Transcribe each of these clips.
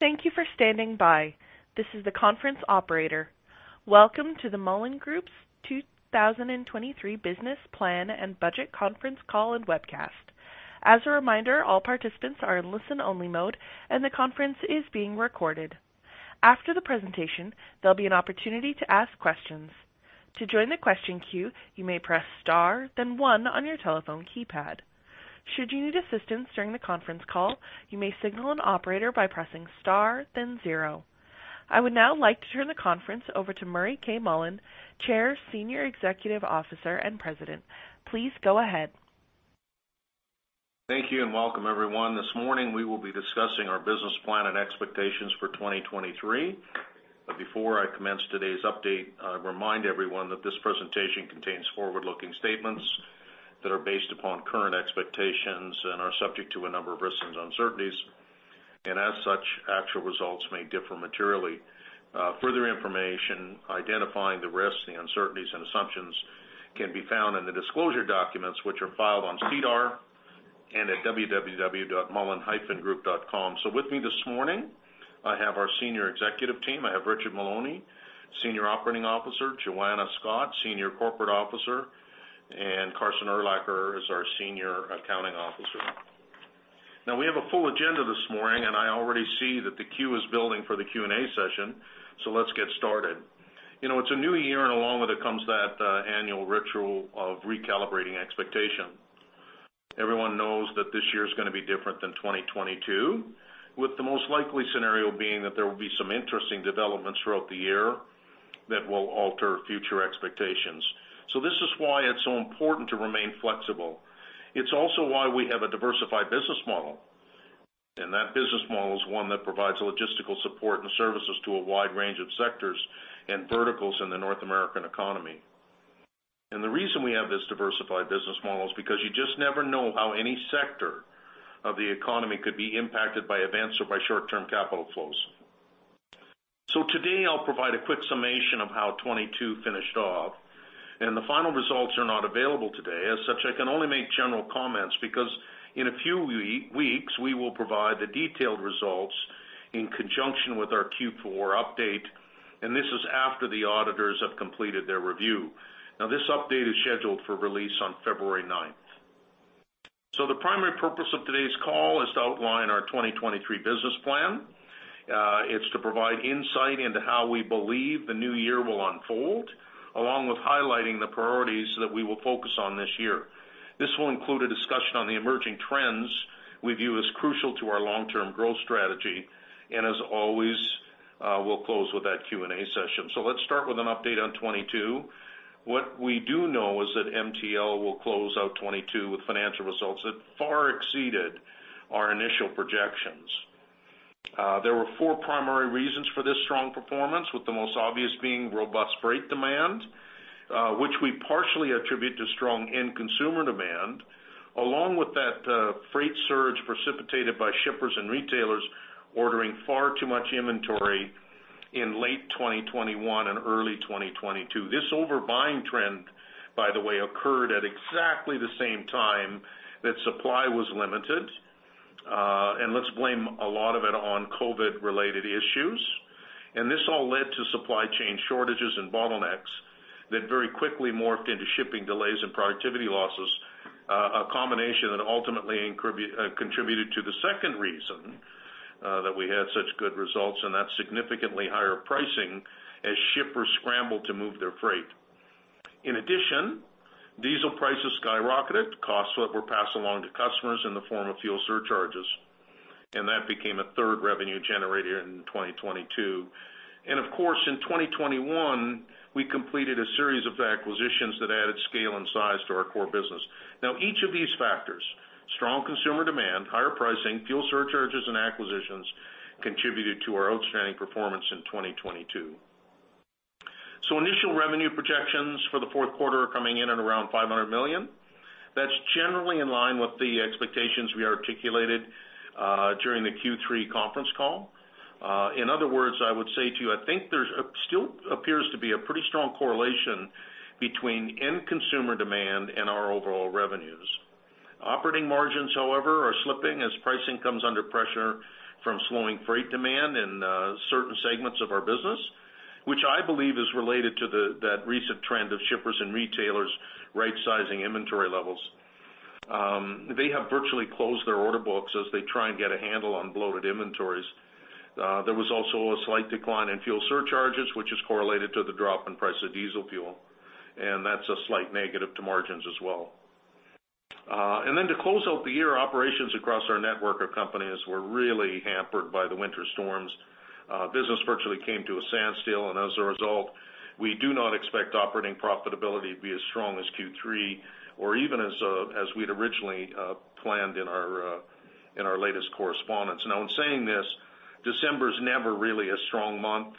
Thank you for standing by. This is the conference operator. Welcome to the Mullen Group's 2023 Business Plan and Budget Conference Call and Webcast. As a reminder, all participants are in listen-only mode, and the conference is being recorded. After the presentation, there'll be an opportunity to ask questions. To join the question queue, you may press Star, then one on your telephone keypad. Should you need assistance during the conference call, you may signal an operator by pressing Star, then zero. I would now like to turn the conference over to Murray K. Mullen, Chair, Senior Executive Officer, and President. Please go ahead. Thank you, welcome, everyone. This morning, we will be discussing our business plan and expectations for 2023. Before I commence today's update, I remind everyone that this presentation contains forward-looking statements that are based upon current expectations and are subject to a number of risks and uncertainties, and as such, actual results may differ materially. Further information identifying the risks, the uncertainties, and assumptions can be found in the disclosure documents, which are filed on SEDAR and at www.mullen-group.com. With me this morning, I have our Senior Executive Team. I have Richard Maloney, Senior Operating Officer, Joanna Scott, Senior Corporate Officer, and Carson Urlacher is our Senior Accounting Officer. We have a full agenda this morning, and I already see that the queue is building for the Q&A session, let's get started. You know, it's a new year, along with it comes that annual ritual of recalibrating expectation. Everyone knows that this year is gonna be different than 2022, with the most likely scenario being that there will be some interesting developments throughout the year that will alter future expectations. This is why it's so important to remain flexible. It's also why we have a diversified business model, that business model is one that provides logistical support and services to a wide range of sectors and verticals in the North American economy. The reason we have this diversified business model is because you just never know how any sector of the economy could be impacted by events or by short-term capital flows. Today, I'll provide a quick summation of how 2022 finished off, the final results are not available today. As such, I can only make general comments because in a few weeks, we will provide the detailed results in conjunction with our Q4 update. This is after the auditors have completed their review. This update is scheduled for release on February ninth. The primary purpose of today's call is to outline our 2023 business plan. It's to provide insight into how we believe the new year will unfold, along with highlighting the priorities that we will focus on this year. This will include a discussion on the emerging trends we view as crucial to our long-term growth strategy. As always, we'll close with that Q&A session. Let's start with an update on 2022. What we do know is that MTL will close out 2022 with financial results that far exceeded our initial projections. There were 4 primary reasons for this strong performance, with the most obvious being robust freight demand, which we partially attribute to strong end consumer demand, along with that, freight surge precipitated by shippers and retailers ordering far too much inventory in late 2021 and early 2022. This overbuying trend, by the way, occurred at exactly the same time that supply was limited, and let's blame a lot of it on COVID-related issues. This all led to supply chain shortages and bottlenecks that very quickly morphed into shipping delays and productivity losses, a combination that ultimately contributed to the second reason, that we had such good results, and that's significantly higher pricing as shippers scrambled to move their freight. In addition, diesel prices skyrocketed, costs that were passed along to customers in the form of fuel surcharges, and that became a third revenue generator in 2022. Of course, in 2021, we completed a series of acquisitions that added scale and size to our core business. Now, each of these factors, strong consumer demand, higher pricing, fuel surcharges, and acquisitions, contributed to our outstanding performance in 2022. Initial revenue projections for the fourth quarter are coming in at around 500 million. That's generally in line with the expectations we articulated during the Q3 conference call. In other words, I would say to you, I think there's still appears to be a pretty strong correlation between end consumer demand and our overall revenues. Operating margins, however, are slipping as pricing comes under pressure from slowing freight demand in certain segments of our business, which I believe is related to that recent trend of shippers and retailers rightsizing inventory levels. They have virtually closed their order books as they try and get a handle on bloated inventories. There was also a slight decline in fuel surcharges, which is correlated to the drop in price of diesel fuel. That's a slight negative to margins as well. To close out the year, operations across our network of companies were really hampered by the winter storms. Business virtually came to a standstill. As a result, we do not expect operating profitability to be as strong as Q3 or even as we'd originally planned in our latest correspondence. In saying this, December is never really a strong month,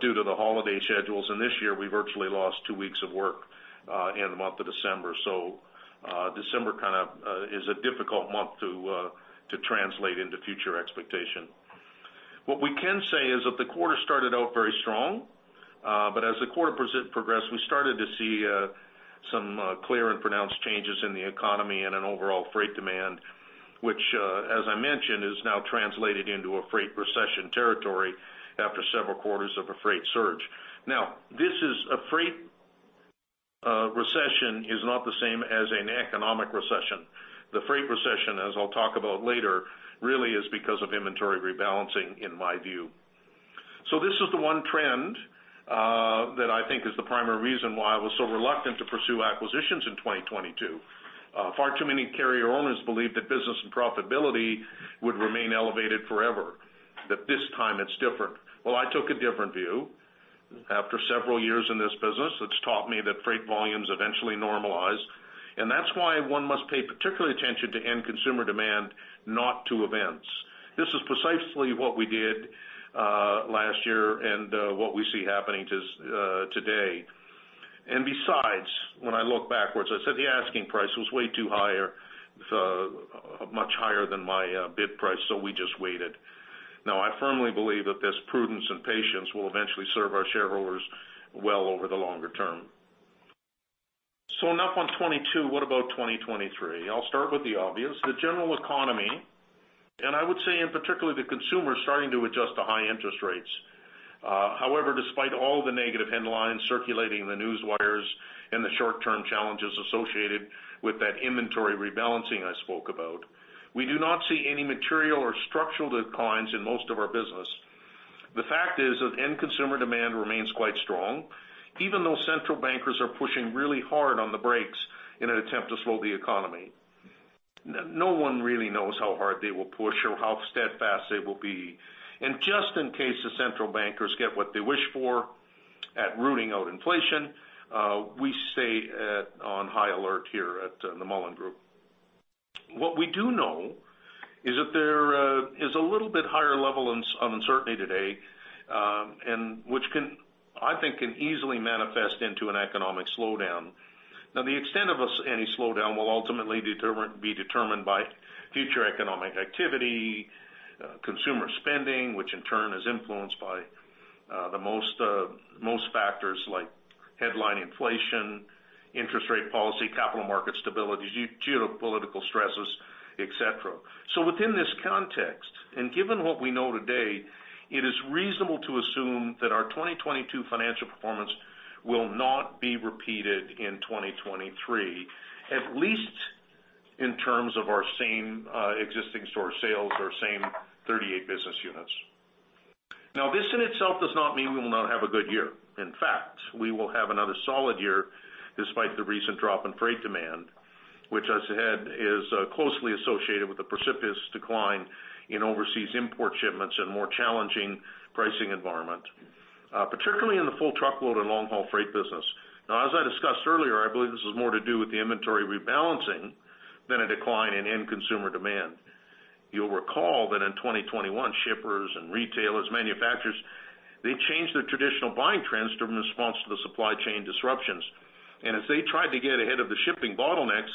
due to the holiday schedules, and this year we virtually lost two weeks of work in the month of December. December kind of is a difficult month to translate into future expectation. What we can say is that the quarter started out very strong. But as the quarter progressed, we started to see some clear and pronounced changes in the economy and in overall freight demand, which as I mentioned, is now translated into a freight recession territory after several quarters of a freight surge. This is a freight recession is not the same as an economic recession. The freight recession, as I'll talk about later really is because of inventory rebalancing, in my view. This is the one trend that I think is the primary reason why I was so reluctant to pursue acquisitions in 2022. Far too many carrier owners believed that business and profitability would remain elevated forever, that this time it's different. Well, I took a different view. After several years in this business, it's taught me that freight volumes eventually normalize, and that's why one must pay particular attention to end consumer demand, not to events. This is precisely what we did last year and what we see happening today. Besides, when I look backwards, I said the asking price was way too higher, so much higher than my bid price, so we just waited. Now, I firmly believe that this prudence and patience will eventually serve our shareholders well over the longer term. Enough on 22, what about 2023? I'll start with the obvious, the general economy, and I would say, in particular, the consumer is starting to adjust to high interest rates. However, despite all the negative headlines circulating in the newswires and the short-term challenges associated with that inventory rebalancing I spoke about, we do not see any material or structural declines in most of our business. The fact is that end consumer demand remains quite strong, even though central bankers are pushing really hard on the brakes in an attempt to slow the economy. No one really knows how hard they will push or how steadfast they will be. Just in case the central bankers get what they wish for at rooting out inflation, we stay at, on high alert here at the Mullen Group. What we do know is that there is a little bit higher level of uncertainty today, which I think can easily manifest into an economic slowdown. The extent of any slowdown will ultimately be determined by future economic activity, consumer spending, which in turn is influenced by the most factors like headline inflation, interest rate policy, capital market stability, geopolitical stresses, et cetera. Within this context, and given what we know today, it is reasonable to assume that our 2022 financial performance will not be repeated in 2023, at least in terms of our same existing store sales, our same 38 business units. This in itself does not mean we will not have a good year. In fact, we will have another solid year despite the recent drop in freight demand, which as I said, is closely associated with the precipitous decline in overseas import shipments and more challenging pricing environment, particularly in the full truckload and long-haul freight business. As I discussed earlier, I believe this is more to do with the inventory rebalancing than a decline in end consumer demand. You'll recall that in 2021, shippers and retailers, manufacturers, they changed their traditional buying trends to response to the supply chain disruptions. As they tried to get ahead of the shipping bottlenecks,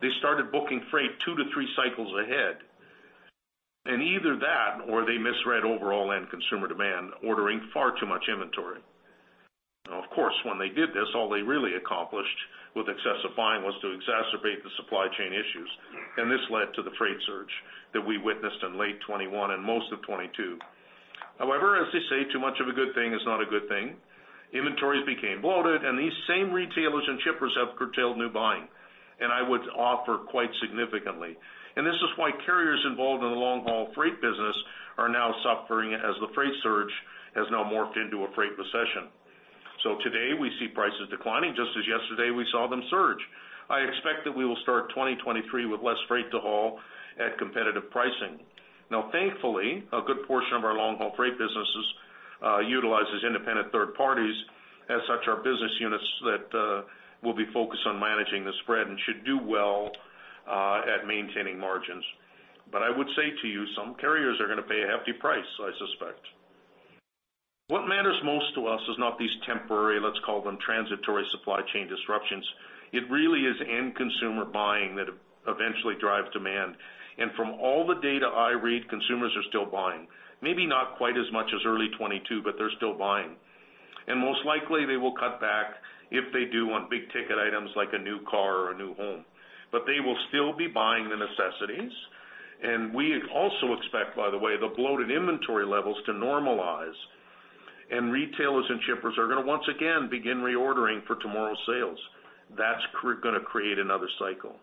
they started booking freight two to three cycles ahead. Either that, or they misread overall end consumer demand, ordering far too much inventory. Now, of course, when they did this, all they really accomplished with excessive buying was to exacerbate the supply chain issues, and this led to the freight surge that we witnessed in late 2021 and most of 2022. However, as they say, too much of a good thing is not a good thing. Inventories became bloated, and these same retailers and shippers have curtailed new buying, and I would offer quite significantly. This is why carriers involved in the long-haul freight business are now suffering as the freight surge has now morphed into a freight recession. Today, we see prices declining just as yesterday we saw them surge. I expect that we will start 2023 with less freight to haul at competitive pricing. Thankfully, a good portion of our long-haul freight businesses utilizes independent third parties, as such, are business units that will be focused on managing the spread and should do well at maintaining margins. I would say to you, some carriers are going to pay a hefty price, I suspect. What matters most to us is not these temporary, let's call them transitory supply chain disruptions. It really is end consumer buying that eventually drives demand. From all the data I read, consumers are still buying. Maybe not quite as much as early 2022, but they're still buying. Most likely, they will cut back if they do want big-ticket items like a new car or a new home. They will still be buying the necessities. We also expect, by the way, the bloated inventory levels to normalize, and retailers and shippers are going to once again begin reordering for tomorrow's sales. That's going to create another cycle.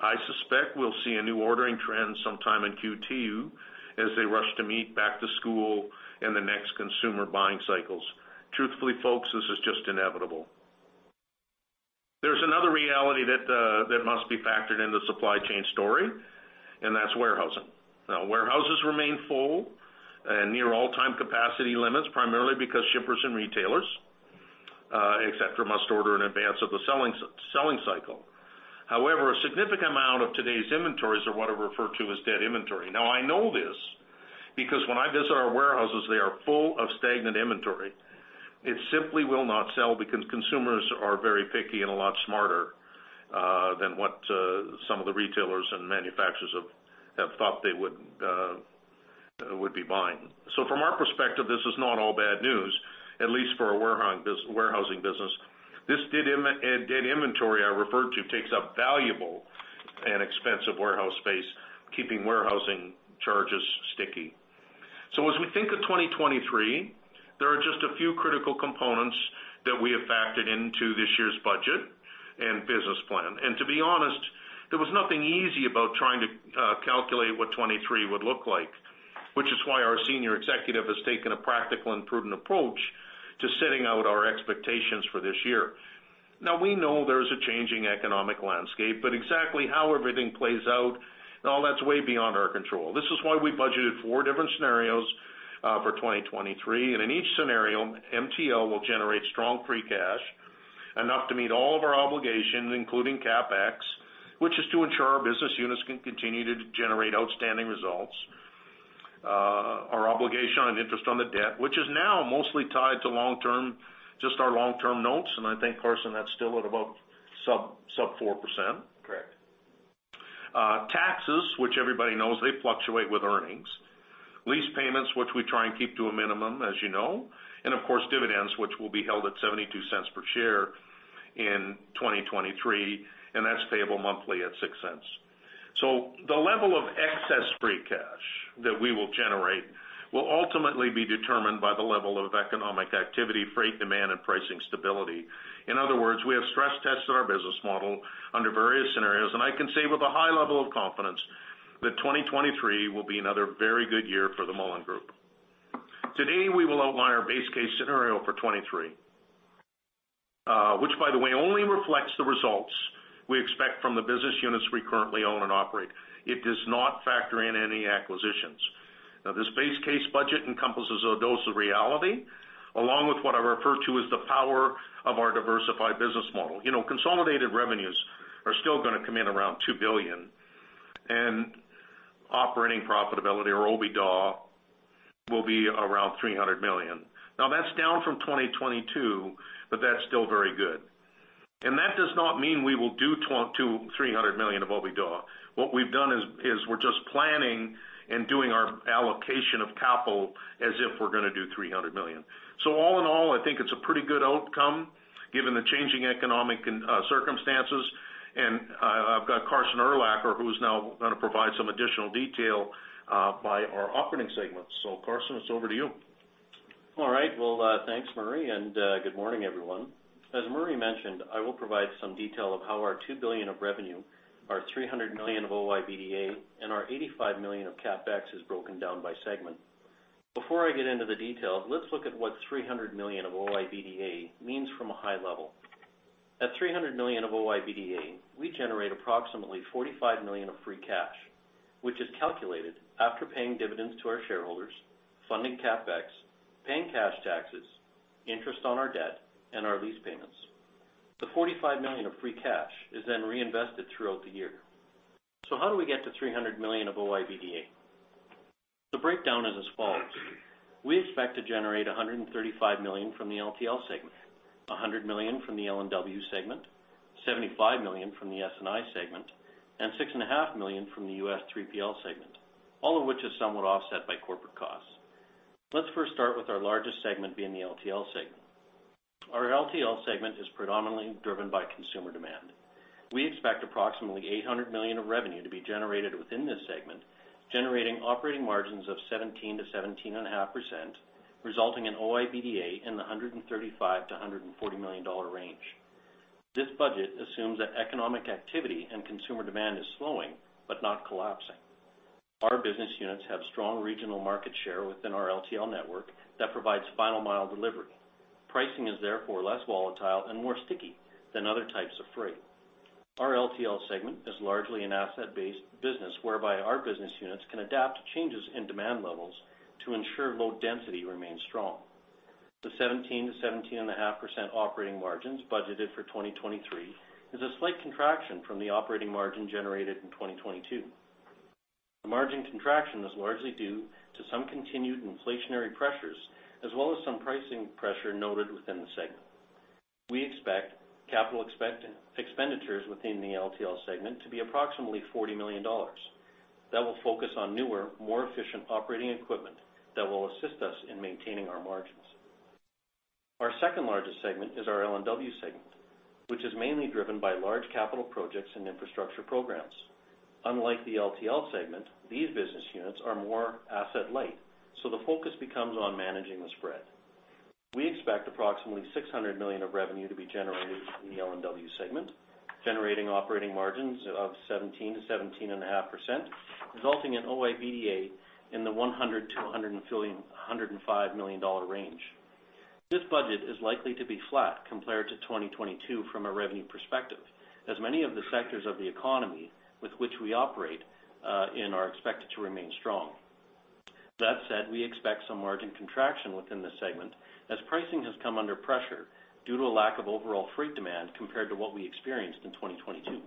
I suspect we'll see a new ordering trend sometime in Q2 as they rush to meet back to school and the next consumer buying cycles. Truthfully, folks, this is just inevitable. There's another reality that must be factored in the supply chain story, and that's warehousing. Now, warehouses remain full and near all-time capacity limits, primarily because shippers and retailers, et cetera, must order in advance of the selling cycle. However, a significant amount of today's inventories are what are referred to as dead inventory. Now, I know this because when I visit our warehouses, they are full of stagnant inventory. It simply will not sell because consumers are very picky and a lot smarter than what some of the retailers and manufacturers have thought they would be buying. From our perspective, this is not all bad news, at least for our this warehousing business. This dead inventory I referred to takes up valuable and expensive warehouse space, keeping warehousing charges sticky. As we think of 2023, there are just a few critical components that we have factored into this year's budget and business plan. To be honest, there was nothing easy about trying to calculate what 2023 would look like, which is why our senior executive has taken a practical and prudent approach to setting out our expectations for this year. We know there's a changing economic landscape, exactly how everything plays out and all that's way beyond our control. This is why we budgeted 4 different scenarios for 2023. In each scenario, MTL will generate strong free cash, enough to meet all of our obligations, including CapEx, which is to ensure our business units can continue to generate outstanding results. Our obligation on interest on the debt, which is now mostly tied to long-term, just our long-term notes, and I think, Carson, that's still at about sub 4%? Correct. Taxes, which everybody knows, they fluctuate with earnings. Lease payments, which we try and keep to a minimum, as you know, and of course, dividends, which will be held at $0.72 per share in 2023, and that's payable monthly at $0.06. The level of excess free cash that we will generate will ultimately be determined by the level of economic activity, freight demand, and pricing stability. In other words, we have stress tested our business model under various scenarios, and I can say with a high level of confidence that 2023 will be another very good year for the Mullen Group. Today, we will outline our base case scenario for '23, which, by the way, only reflects the results we expect from the business units we currently own and operate. It does not factor in any acquisitions. This base case budget encompasses a dose of reality, along with what I refer to as the power of our diversified business model. You know, consolidated revenues are still gonna come in around 2 billion, and operating profitability, or OIBDA, will be around 300 million. That's down from 2022, but that's still very good. That does not mean we will do to 300 million of OIBDA. What we've done is, we're just planning and doing our allocation of capital as if we're gonna do 300 million. All in all, I think it's a pretty good outcome, given the changing economic circumstances. I've got Carson Urlacher, who's now gonna provide some additional detail by our operating segments. Carson, it's over to you. All right. Well, thanks, Murray. Good morning, everyone. As Murray mentioned, I will provide some detail of how our 2 billion of revenue, our 300 million of OIBDA, and our 85 million of CapEx is broken down by segment. Before I get into the details, let's look at what 300 million of OIBDA means from a high level. At 300 million of OIBDA, we generate approximately 45 million of free cash, which is calculated after paying dividends to our shareholders, funding CapEx, paying cash taxes, interest on our debt, and our lease payments. The 45 million of free cash is then reinvested throughout the year. How do we get to 300 million of OIBDA? The breakdown is as follows: We expect to generate 135 million from the LTL segment, 100 million from the L&W segment, 75 million from the SNI segment, and six and a half million from the US 3PL segment, all of which is somewhat offset by corporate costs. Let's first start with our largest segment, being the LTL segment. Our LTL segment is predominantly driven by consumer demand. We expect approximately 800 million of revenue to be generated within this segment, generating operating margins of 17% to 17.5%, resulting in OIBDA in the 135 million-140 million dollar range. This budget assumes that economic activity and consumer demand is slowing but not collapsing. Our business units have strong regional market share within our LTL network that provides final-mile delivery. Pricing is therefore less volatile and more sticky than other types of freight. Our LTL segment is largely an asset-based business, whereby our business units can adapt to changes in demand levels to ensure load density remains strong. The 17% to 17.5% operating margins budgeted for 2023 is a slight contraction from the operating margin generated in 2022. The margin contraction is largely due to some continued inflationary pressures, as well as some pricing pressure noted within the segment. We expect CapEx within the LTL segment to be approximately 40 million dollars. That will focus on newer, more efficient operating equipment that will assist us in maintaining our margins. Our second largest segment is our L&W segment, which is mainly driven by large capital projects and infrastructure programs. Unlike the LTL segment, these business units are more asset-light, the focus becomes on managing the spread. We expect approximately $600 million of revenue to be generated in the L&W segment, generating operating margins of 17%-17.5%, resulting in OIBDA in the $100 million-$105 million range. This budget is likely to be flat compared to 2022 from a revenue perspective, as many of the sectors of the economy with which we operate in are expected to remain strong. That said, we expect some margin contraction within this segment, as pricing has come under pressure due to a lack of overall freight demand compared to what we experienced in 2022.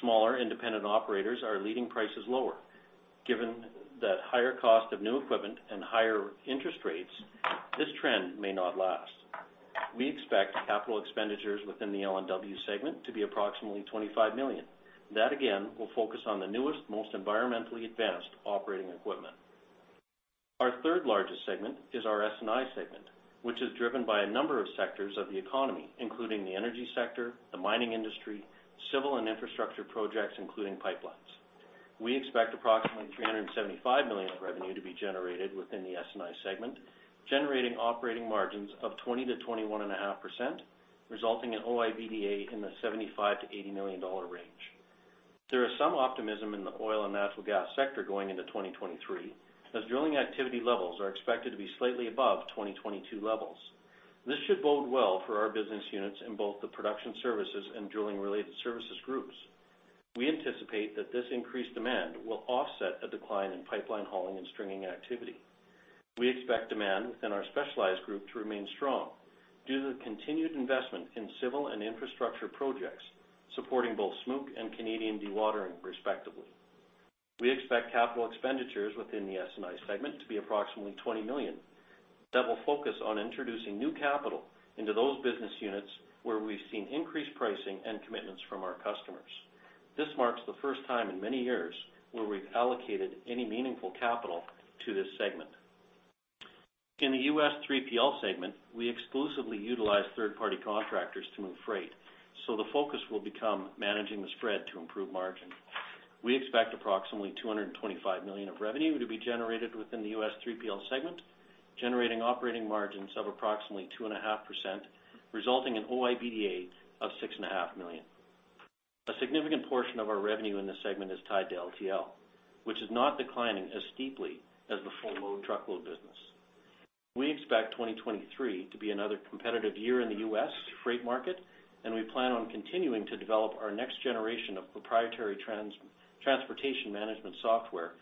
Smaller independent operators are leading prices lower. Given that higher cost of new equipment and higher interest rates, this trend may not last. We expect CapEx within the L&W segment to be approximately 25 million. That, again, will focus on the newest, most environmentally advanced operating equipment. Our third largest segment is our S&I segment, which is driven by a number of sectors of the economy, including the energy sector, the mining industry, civil and infrastructure projects, including pipelines. We expect approximately 375 million of revenue to be generated within the S&I segment, generating operating margins of 20%-21.5%, resulting in OIBDA in the 75 million-80 million dollar range. There is some optimism in the oil and natural gas sector going into 2023, as drilling activity levels are expected to be slightly above 2022 levels. This should bode well for our business units in both the production services and drilling-related services groups. We anticipate that this increased demand will offset a decline in pipeline hauling and stringing activity. We expect demand within our specialized group to remain strong due to the continued investment in civil and infrastructure projects, supporting both Smook and Canadian Dewatering, respectively. We expect capital expenditures within the S&I segment to be approximately 20 million. That will focus on introducing new capital into those business units where we've seen increased pricing and commitments from our customers. This marks the first time in many years where we've allocated any meaningful capital to this segment. In the US 3PL segment, we exclusively utilize third-party contractors to move freight, so the focus will become managing the spread to improve margin. We expect approximately $225 million of revenue to be generated within the US 3PL segment, generating operating margins of approximately 2.5%, resulting in OIBDA of $6.5 million. A significant portion of our revenue in this segment is tied to LTL, which is not declining as steeply as the full load truckload business. We expect 2023 to be another competitive year in the US freight market, and we plan on continuing to develop our next generation of proprietary transportation management software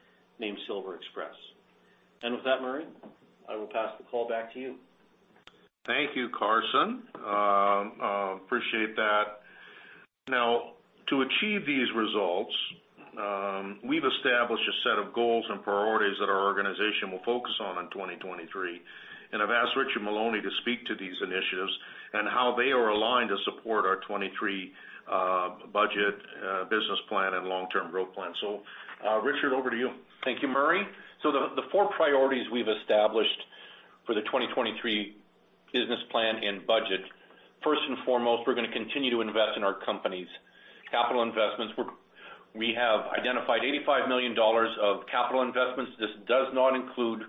named SilverExpress. With that, Murray, I will pass the call back to you. Thank you, Carson. appreciate that. To achieve these results, we've established a set of goals and priorities that our organization will focus on in 2023, and I've asked Richard Maloney to speak to these initiatives and how they are aligned to support our 2023 budget, business plan and long-term growth plan. Richard, over to you. Thank you, Murray. The four priorities we've established for the 2023 business plan and budget, first and foremost, we're gonna continue to invest in our companies. Capital investments, we have identified 85 million dollars of capital investments. This does not include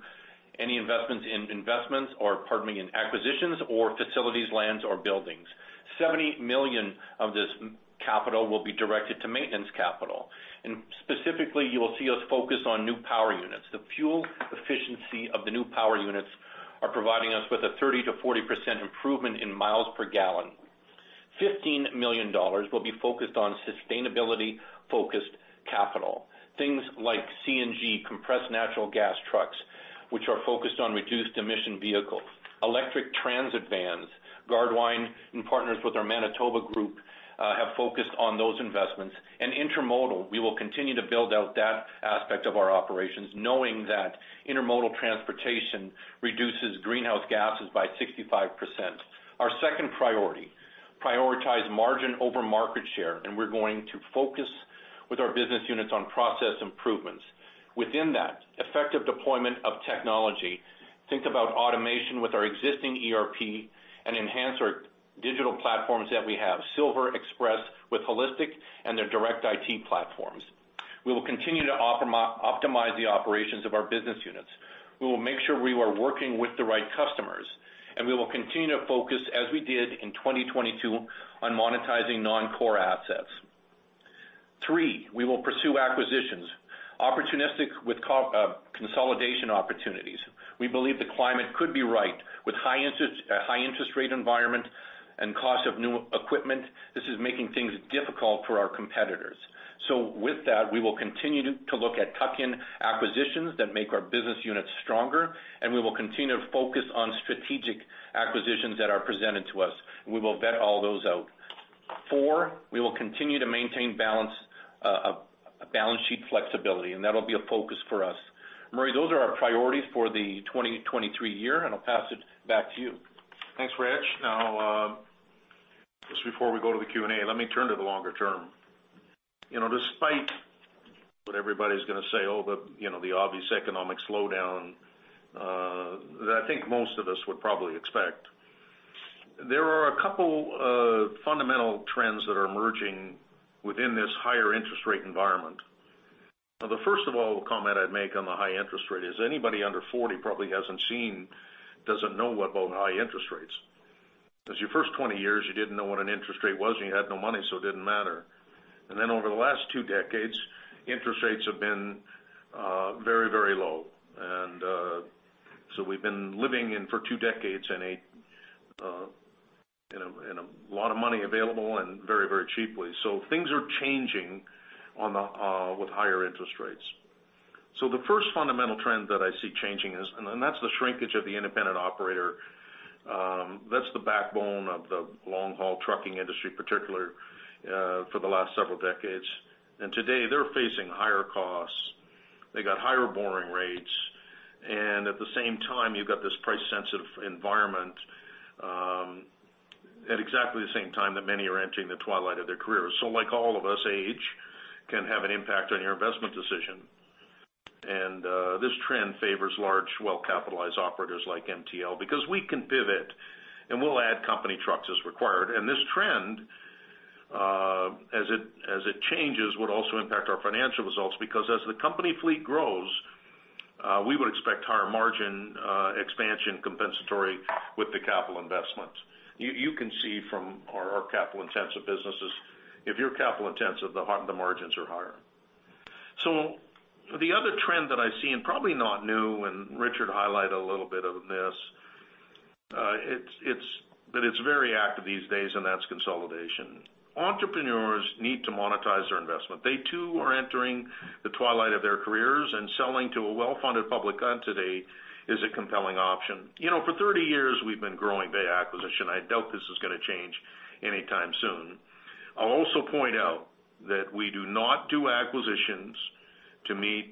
any investments in investments or, pardon me, in acquisitions or facilities, lands, or buildings. 70 million of this capital will be directed to maintenance capital. And specifically, you will see us focus on new power units. The fuel efficiency of the new power units are providing us with a 30%-40% improvement in miles per gallon. 15 million dollars will be focused on sustainability-focused capital, things like CNG, compressed natural gas trucks, which are focused on reduced emission vehicles, electric transit vans. Gardewine, in partners with our Manitoba group, have focused on those investments. Intermodal, we will continue to build out that aspect of our operations, knowing that intermodal transportation reduces greenhouse gases by 65%. Our second priority, prioritize margin over market share, and we're going to focus with our business units on process improvements. Within that, effective deployment of technology, think about automation with our existing ERP and enhance our digital platforms that we have, SilverExpress with HAUListic and their direct IT platforms. We will continue to optimize the operations of our business units. We will make sure we are working with the right customers, and we will continue to focus, as we did in 2022, on monetizing non-core assets. 3, we will pursue acquisitions, opportunistic with consolidation opportunities. We believe the climate could be right. With high interest, high interest rate environment and cost of new equipment, this is making things difficult for our competitors. With that, we will continue to look at tuck-in acquisitions that make our business units stronger, and we will continue to focus on strategic acquisitions that are presented to us, and we will vet all those out. 4, we will continue to maintain balance sheet flexibility, and that'll be a focus for us. Murray, those are our priorities for the 2023 year, and I'll pass it back to you. Thanks Rich. Just before we go to the Q&A, let me turn to the longer term. You know, despite what everybody's gonna say, oh, the, you know, the obvious economic slowdown that I think most of us would probably expect, there are a couple fundamental trends that are emerging within this higher interest rate environment. The first of all, the comment I'd make on the high interest rate is anybody under 40 probably doesn't know about high interest rates. Your first 20 years, you didn't know what an interest rate was, and you had no money, so it didn't matter. Over the last 2 decades, interest rates have been very, very low. We've been living in for 2 decades in a lot of money available and very, very cheaply. Things are changing on the with higher interest rates. The first fundamental trend that I see changing is, and that's the shrinkage of the independent operator. That's the backbone of the long-haul trucking industry, particular for the last several decades. Today, they're facing higher costs. They got higher borrowing rates, and at the same time, you've got this price-sensitive environment at exactly the same time that many are entering the twilight of their careers. Like all of us, age can have an impact on your investment decision. This trend favors large, well-capitalized operators like MTL because we can pivot, and we'll add company trucks as required. This trend as it changes, would also impact our financial results, because as the company fleet grows, we would expect higher margin expansion compensatory with the capital investments. You can see from our capital-intensive businesses, if you're capital-intensive, the margins are higher. The other trend that I see, and probably not new, and Richard highlighted a little bit of this, but it's very active these days, and that's consolidation. Entrepreneurs need to monetize their investment. They too, are entering the twilight of their careers, and selling to a well-funded public entity is a compelling option. You know, for 30 years, we've been growing via acquisition. I doubt this is gonna change anytime soon. I'll also point out that we do not do acquisitions to meet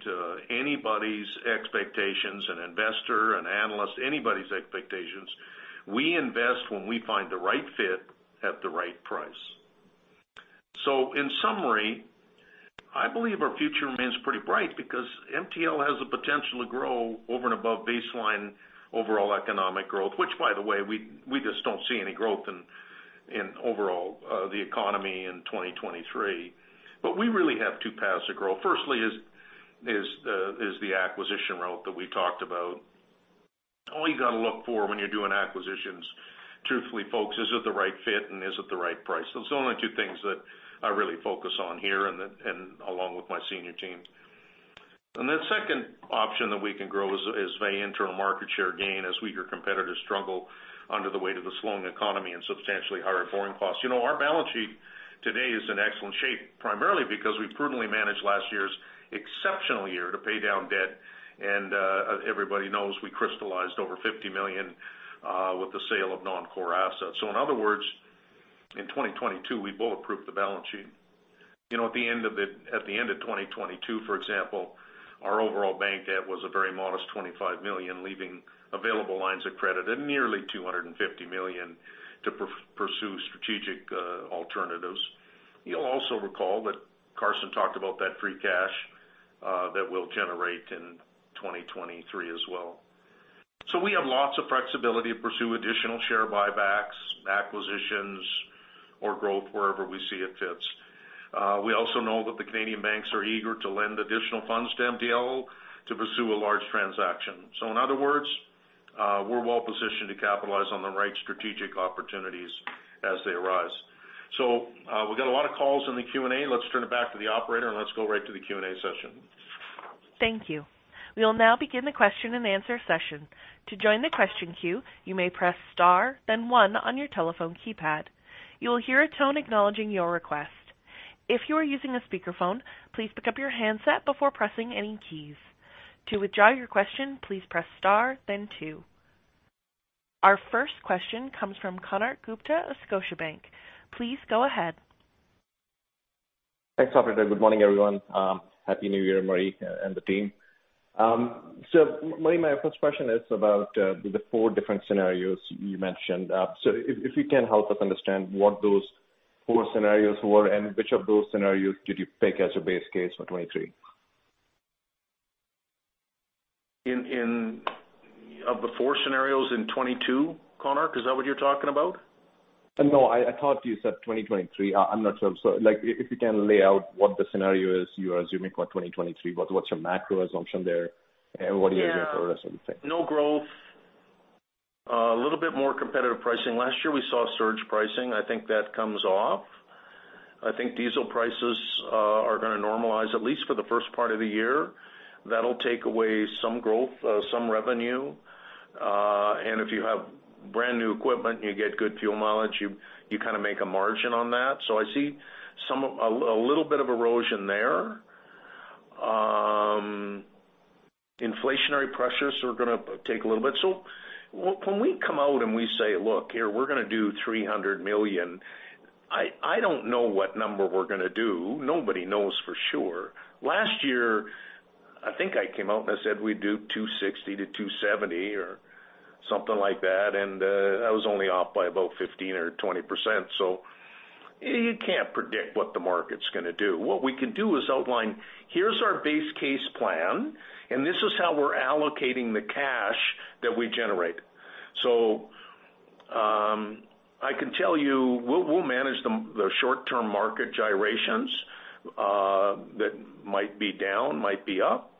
anybody's expectations, an investor, an analyst, anybody's expectations. We invest when we find the right fit at the right price. In summary, I believe our future remains pretty bright because MTL has the potential to grow over and above baseline overall economic growth, which, by the way, we just don't see any growth in overall the economy in 2023. We really have two paths to grow. Firstly is the acquisition route that we talked about. All you got to look for when you're doing acquisitions, truthfully folks, is it the right fit and is it the right price? Those are the only two things that I really focus on here, and along with my senior team. The second option that we can grow is via internal market share gain as weaker competitors struggle under the weight of the slowing economy and substantially higher borrowing costs. You know, our balance sheet today is in excellent shape, primarily because we prudently managed last year's exceptional year to pay down debt, and everybody knows we crystallized over 50 million with the sale of non-core assets. In other words, in 2022, we bullet-proofed the balance sheet. You know, at the end of 2022, for example, our overall bank debt was a very modest 25 million, leaving available lines of credit at nearly 250 million to pursue strategic alternatives. You'll also recall that Carson talked about that free cash that we'll generate in 2023 as well. We have lots of flexibility to pursue additional share buybacks, acquisitions, or growth wherever we see it fits. We also know that the Canadian banks are eager to lend additional funds to MTL to pursue a large transaction. In other words, we're well positioned to capitalize on the right strategic opportunities as they arise. We've got a lot of calls in the Q&A. Let's turn it back to the operator. Let's go right to the Q&A session. Thank you. We will now begin the question-and-answer session. To join the question queue, you may press star, then one on your telephone keypad. You will hear a tone acknowledging your request. If you are using a speakerphone, please pick up your handset before pressing any keys. To withdraw your question, please press star then two. Our first question comes from Konark Gupta of Scotiabank. Please go ahead. Thanks, operator. Good morning, everyone. Happy New Year, Murray Mullen and the team. Murray Mullen, my first question is about the 4 different scenarios you mentioned. If you can help us understand what those four scenarios were, and which of those scenarios did you pick as your base case for 2023? Of the four scenarios in 2022 Konark, is that what you're talking about? No, I thought you said 2023. I'm not sure. Like, if you can lay out what the scenario is you are assuming for 2023, what's your macro assumption there, and what are you doing for the rest of the thing? Yeah. No growth, a little bit more competitive pricing. Last year, we saw surge pricing. I think that comes off. I think diesel prices are gonna normalize, at least for the first part of the year. That'll take away some growth, some revenue. If you have brand-new equipment, you get good fuel mileage, you kind of make a margin on that. I see a little bit of erosion there. Inflationary pressures are gonna take a little bit. When we come out and we say, "Look, here, we're gonna do 300 million," I don't know what number we're gonna do. Nobody knows for sure. Last year, I think I came out and I said we'd do 260-270 or something like that, and I was only off by about 15%-20%. You can't predict what the market's gonna do. What we can do is outline, here's our base case plan, and this is how we're allocating the cash that we generate. I can tell you, we'll manage the short-term market gyrations that might be down, might be up,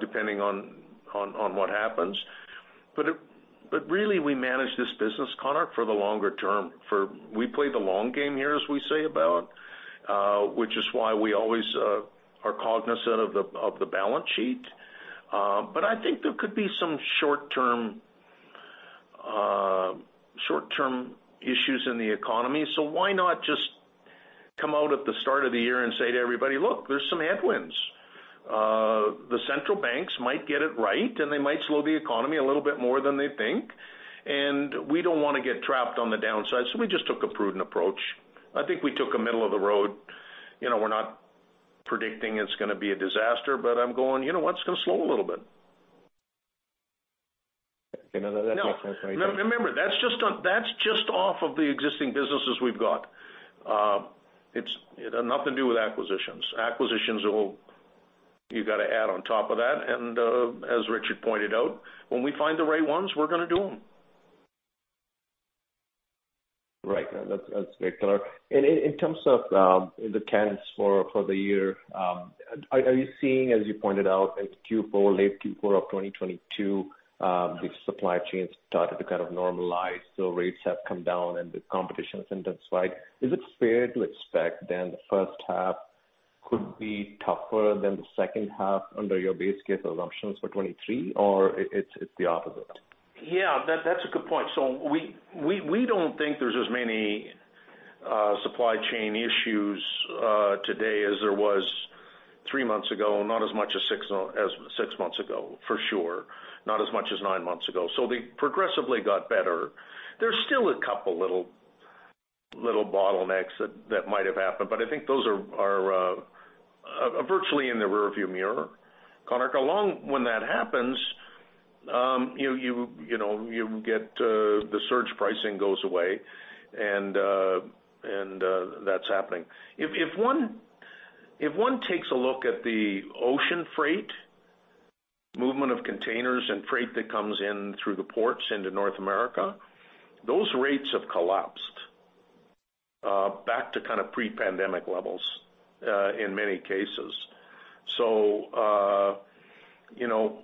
depending on what happens. Really, we manage this business, Konark, for the longer term. We play the long game here, as we say about, which is why we always are cognizant of the balance sheet. I think there could be some short-term issues in the economy. Why not just come out at the start of the year and say to everybody: "Look, there's some headwinds." The central banks might get it right. They might slow the economy a little bit more than they think. We don't wanna get trapped on the downside. We just took a prudent approach. I think we took a middle of the road. You know, we're not predicting it's gonna be a disaster, but I'm going, you know what? It's gonna slow a little bit. Okay, now that makes sense, thank you. Remember, that's just off of the existing businesses we've got. It had nothing to do with acquisitions. Acquisitions, you gotta add on top of that, and, as Richard pointed out, when we find the right ones, we're gonna do them. Right. That's great, clear. In terms of the tenants for the year, are you seeing, as you pointed out, in Q4, late Q4 of 2022, the supply chain started to kind of normalize, rates have come down and the competition has intensified. Is it fair to expect then the first half could be tougher than the second half under your base case assumptions for 2023, or it's the opposite? Yeah, that's a good point. We don't think there's as many supply chain issues today as there was 3 months ago, not as much as six months ago, for sure, not as much as nine months ago. They progressively got better. There's still a couple little bottlenecks that might have happened, but I think those are virtually in the rearview mirror. Konark, along when that happens, you know, you get the surge pricing goes away, and that's happening. If one takes a look at the ocean freight, movement of containers and freight that comes in through the ports into North America, those rates have collapsed back to kind of pre-pandemic levels in many cases. You know,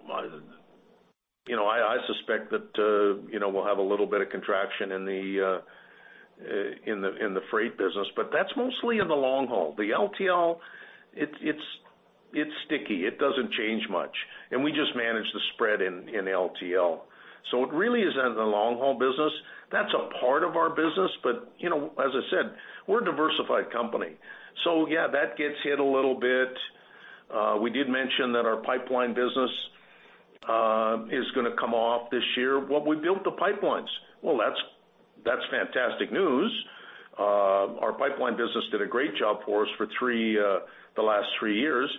you know, I suspect that, you know, we'll have a little bit of contraction in the freight business, but that's mostly in the long haul. The LTL, it's sticky. It doesn't change much and we just manage the spread in LTL. It really is in the long haul business. That's a part of our business, but you know, as I said, we're a diversified company. Yeah, that gets hit a little bit. We did mention that our pipeline business is gonna come off this year. Well, we built the pipelines. Well, that's fantastic news. Our pipeline business did a great job for us for the last three years.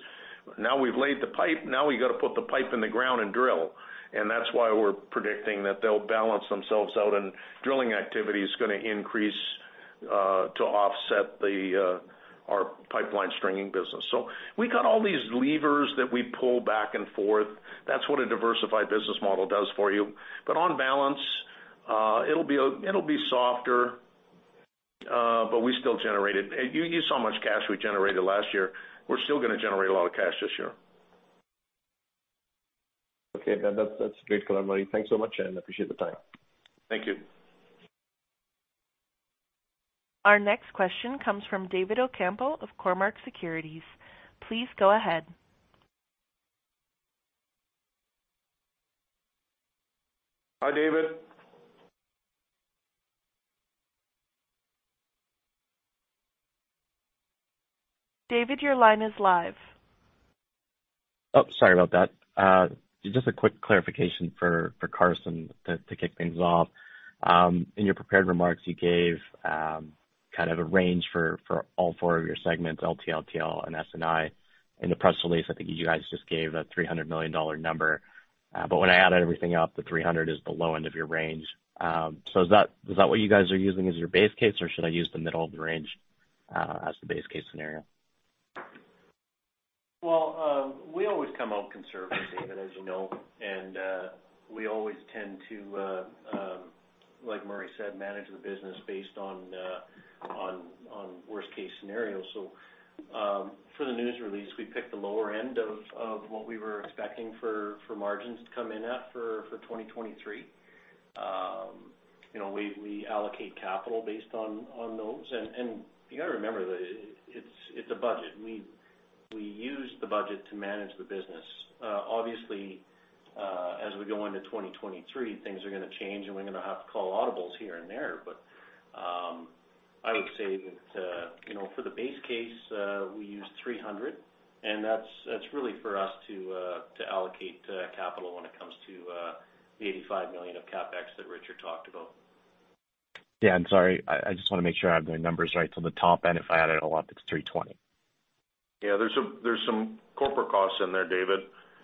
Now we've laid the pipe, now we got to put the pipe in the ground and drill, and that's why we're predicting that they'll balance themselves out, and drilling activity is gonna increase to offset the our pipeline stringing business. We got all these levers that we pull back and forth. That's what a diversified business model does for you. On balance, it'll be softer but we still generated. You saw how much cash we generated last year. We're still gonna generate a lot of cash this year. Okay, that's great color Murray. Thanks so much, and I appreciate the time. Thank you. Our next question comes from David Ocampo of Cormark Securities. Please go ahead. Hi, David. David, your line is live. Sorry about that. Just a quick clarification for Carson to kick things off. In your prepared remarks, you gave kind of a range for all four of your segments, LTL, TL, and S&I. In the press release, I think you guys just gave a 300 million dollar number. When I added everything up, the 300 is the low end of your range. Is that what you guys are using as your base case, or should I use the middle of the range as the base case scenario? Well, we always come out conservative, David, as you know, and we always tend to, like Murray said, manage the business based on worst case scenarios. For the news release, we picked the lower end of what we were expecting for margins to come in at for 2023. You know, we allocate capital based on those. You got to remember that it's a budget. We use the budget to manage the business. Obviously, as we go into 2023, things are gonna change, and we're gonna have to call audibles here and there. I would say that, you know, for the base case, we use 300, and that's really for us to allocate capital when it comes to the 85 million of CapEx that Richard talked about. Yeah, I'm sorry. I just wanna make sure I have my numbers right. The top end, if I add it all up, it's 320. Yeah, there's some corporate costs in there, David.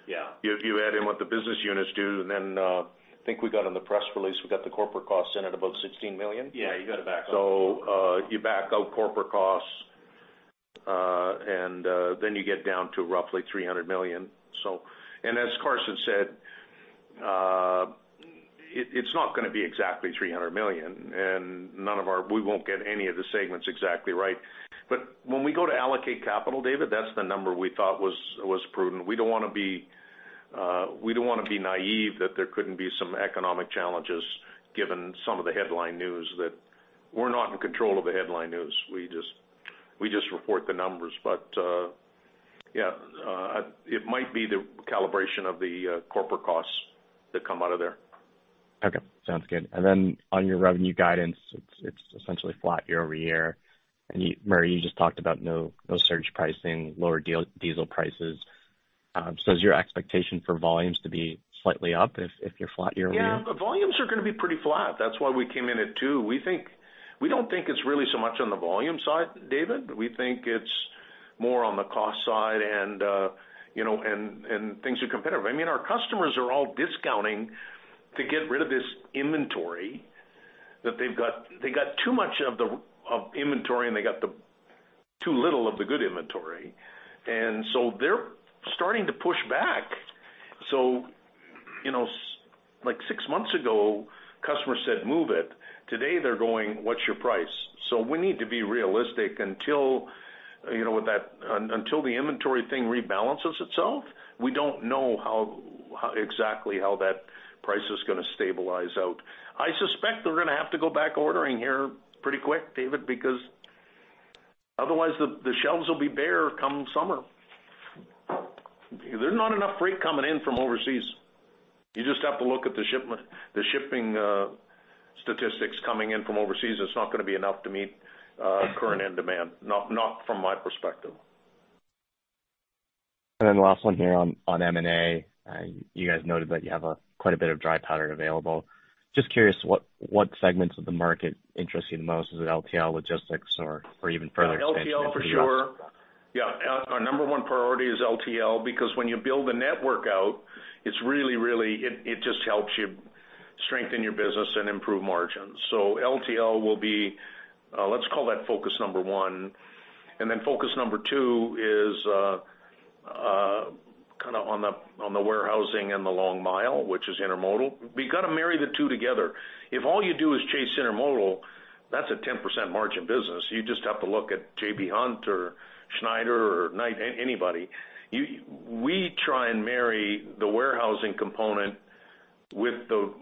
Yeah. If you add in what the business units do, then, I think we got in the press release, we got the corporate costs in at about 16 million? Yeah, you got to back out. You back out corporate costs, and then you get down to roughly 300 million. As Carson said, it's not gonna be exactly 300 million, and we won't get any of the segments exactly right. When we go to allocate capital, David, that's the number we thought was prudent. We don't wanna be naive that there couldn't be some economic challenges, given some of the headline news that we're not in control of the headline news. We just report the numbers. Yeah, it might be the calibration of the corporate costs that come out of there. Okay, sounds good. On your revenue guidance, it's essentially flat year-over-year. Murray, you just talked about no surge pricing, lower diesel prices. Is your expectation for volumes to be slightly up if you're flat year-over-year? Yeah, the volumes are gonna be pretty flat. That's why we came in at two. We don't think it's really so much on the volume side, David. We think it's more on the cost side and you know, things are competitive. I mean, our customers are all discounting to get rid of this inventory that they've got. They got too much of the inventory, and they got the too little of the good inventory. They're starting to push back. You know, like six months ago, customers said, "Move it." Today, they're going, "What's your price?" We need to be realistic until, you know, until the inventory thing rebalances itself, we don't know how exactly how that price is gonna stabilize out. I suspect they're gonna have to go back ordering here pretty quick, David, because otherwise, the shelves will be bare come summer. There's not enough freight coming in from overseas. You just have to look at the shipping statistics coming in from overseas. It's not gonna be enough to meet current end demand, not from my perspective. Last one here on M&A. you guys noted that you have a quite a bit of dry powder available. Just curious what segments of the market interest you the most? Is it LTL, logistics, or even further expansion? Yeah, LTL for sure. Yeah, our number one priority is LTL, because when you build a network out, it's really. It just helps you strengthen your business and improve margins. LTL will be, let's call that focus number one, and then focus number two is kinda on the warehousing and the long mile, which is intermodal. We've got to marry the two together. If all you do is chase intermodal, that's a 10% margin business. You just have to look at J.B. Hunt or Schneider or Knight anybody. We try and marry the warehousing component with the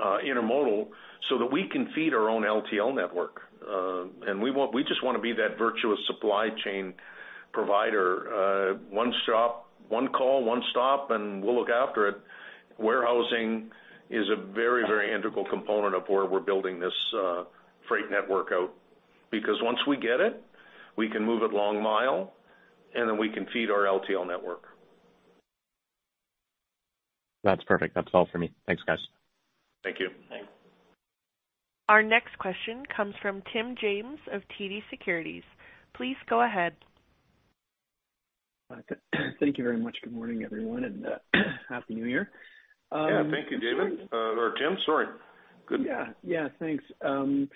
intermodal so that we can feed our own LTL network. We just wanna be that virtuous supply chain provider. One stop, one call, one stop, and we'll look after it. Warehousing is a very integral component of where we're building this freight network out. Once we get it, we can move it long mile, and then we can feed our LTL network. That's perfect. That's all for me. Thanks, guys. Thank you. Thanks. Our next question comes from Tim James of TD Securities. Please go ahead. Thank you very much. Good morning everyone, and happy New Year. Yeah, thank you David, or Tim, sorry. Good. Yeah. Yeah, thanks. I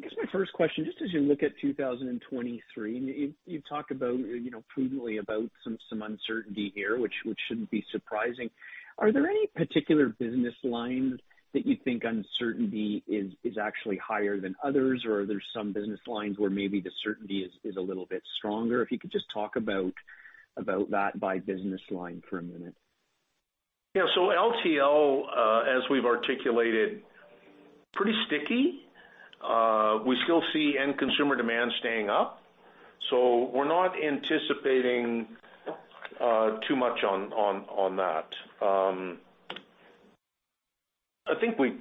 guess my first question, just as you look at 2023, you talked about, you know, prudently about some uncertainty here, which shouldn't be surprising. Are there any particular business lines that you think uncertainty is actually higher than others? Are there some business lines where maybe the certainty is a little bit stronger? If you could just talk about that by business line for a minute. Yeah, LTL, as we've articulated, pretty sticky. We still see end consumer demand staying up, we're not anticipating too much on that. I think we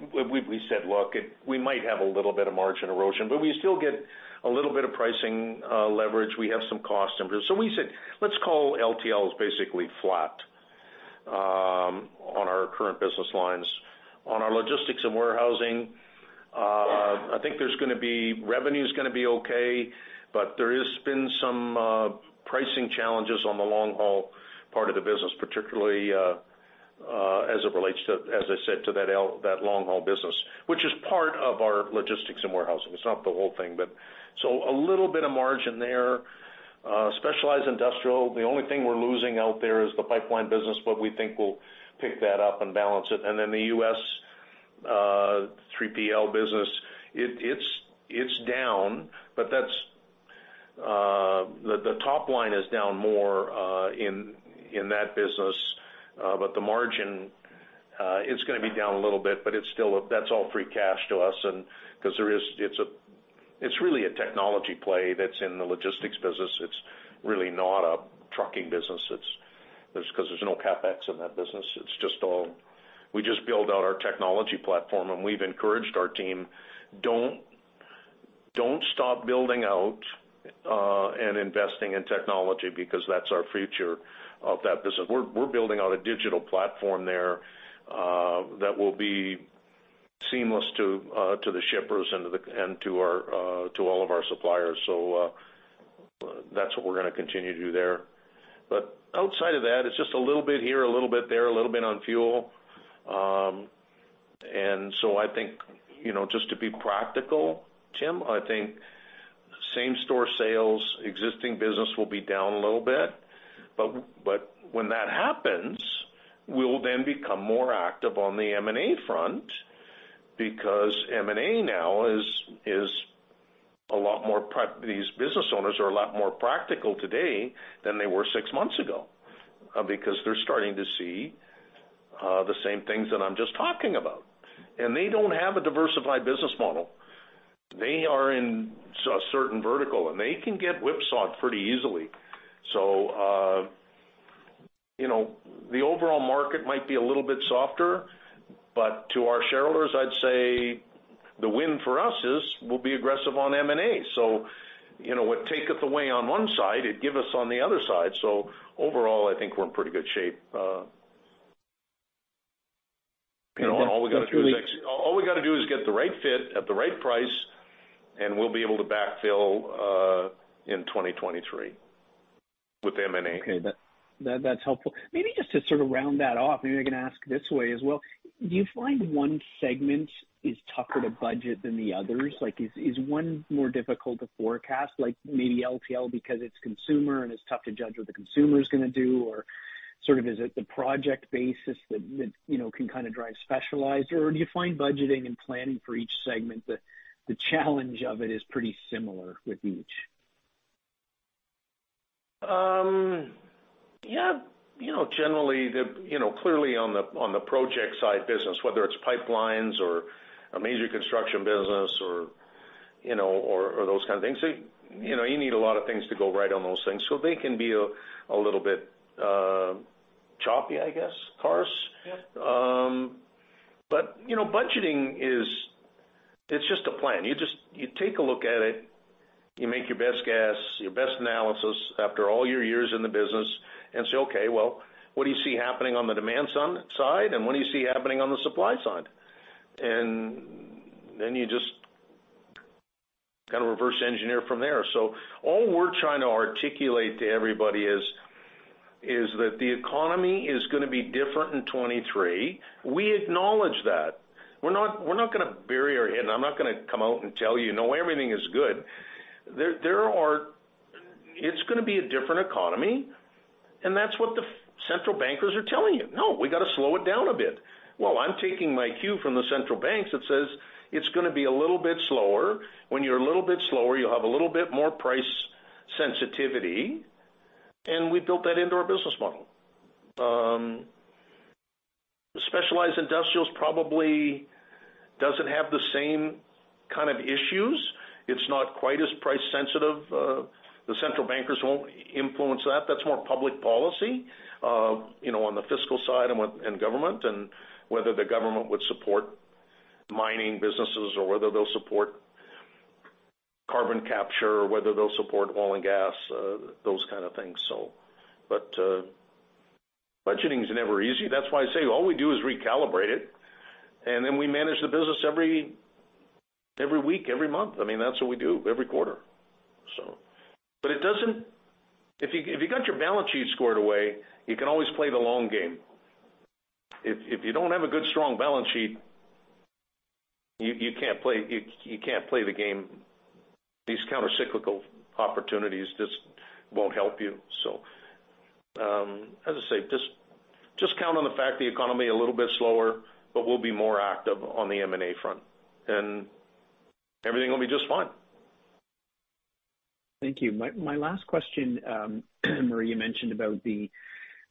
said, look, we might have a little bit of margin erosion, we still get a little bit of pricing leverage. We have some cost improvements. We said, let's call LTL is basically flat on our current business lines. On our logistics and warehousing, I think Revenue is gonna be okay, there has been some pricing challenges on the long-haul part of the business, particularly as it relates to, as I said, to that long-haul business, which is part of our logistics and warehousing. It's not the whole thing, a little bit of margin there. Specialized industrial, the only thing we're losing out there is the pipeline business, we think we'll pick that up and balance it. The U.S. 3PL business, it's down, that's the top line is down more in that business. The margin, it's gonna be down a little bit, it's still, that's all free cash to us, because there is, it's really a technology play that's in the logistics business. It's really not a trucking business. There's, because there's no CapEx in that business. We just build out our technology platform, and we've encouraged our team, don't stop building out and investing in technology, because that's our future of that business. We're building out a digital platform there that will be seamless to the shippers and to the, and to our, to all of our suppliers. That's what we're gonna continue to do there. Outside of that, it's just a little bit here, a little bit there, a little bit on fuel. I think, you know, just to be practical, Tim, I think same store sales, existing business will be down a little bit, but when that happens, we'll then become more active on the M&A front, because M&A now is a lot more these business owners are a lot more practical today than they were six months ago, because they're starting to see the same things that I'm just talking about. They don't have a diversified business model. They are in a certain vertical, and they can get whipsawed pretty easily. you know, the overall market might be a little bit softer, but to our shareholders, I'd say the win for us is, we'll be aggressive on M&A. you know, what taketh away on one side, it give us on the other side. Overall, I think we're in pretty good shape. you know and all we gotta do is get the right fit at the right price, and we'll be able to backfill in 2023 with M&A. Okay, that's helpful. Maybe just to sort of round that off, maybe I can ask this way as well: Do you find one segment is tougher to budget than the others? Like, is one more difficult to forecast, like maybe LTL, because it's consumer, and it's tough to judge what the consumer is gonna do? Or sort of is it the project basis that, you know, can kind of drive specialized? Or do you find budgeting and planning for each segment, the challenge of it is pretty similar with each? Yeah, you know, generally, you know, clearly on the project side business, whether it's pipelines or a major construction business or, you know, or those kind of things, you know, you need a lot of things to go right on those things. They can be a little bit choppy, I guess, Cars. Yeah. You know, budgeting, it's just a plan. You take a look at it, you make your best guess, your best analysis after all your years in the business and say, "Okay, well, what do you see happening on the demand side, and what do you see happening on the supply side?" Then you just kind of reverse engineer from there. All we're trying to articulate to everybody is that the economy is gonna be different in 2023. We acknowledge that. We're not, we're not gonna bury our head, and I'm not gonna come out and tell you, "No, everything is good." It's gonna be a different economy, and that's what the central bankers are telling you. No, we got to slow it down a bit." Well, I'm taking my cue from the central banks that says it's gonna be a little bit slower. When you're a little bit slower, you'll have a little bit more price sensitivity, and we built that into our business model. The specialized industrials probably doesn't have the same kind of issues. It's not quite as price sensitive. The central bankers won't influence that. That's more public policy, you know, on the fiscal side and what and government, and whether the government would support mining businesses or whether they'll support carbon capture, or whether they'll support oil and gas, those kind of things. Budgeting is never easy. That's why I say all we do is recalibrate it, and then we manage the business every week, every month. I mean, that's what we do every quarter. If you got your balance sheet squared away, you can always play the long game. If you don't have a good, strong balance sheet, you can't play the game. These countercyclical opportunities just won't help you. As I say, just count on the fact the economy a little bit slower but we'll be more active on the M&A front, and everything will be just fine. Thank you. My last question Murray, you mentioned about the,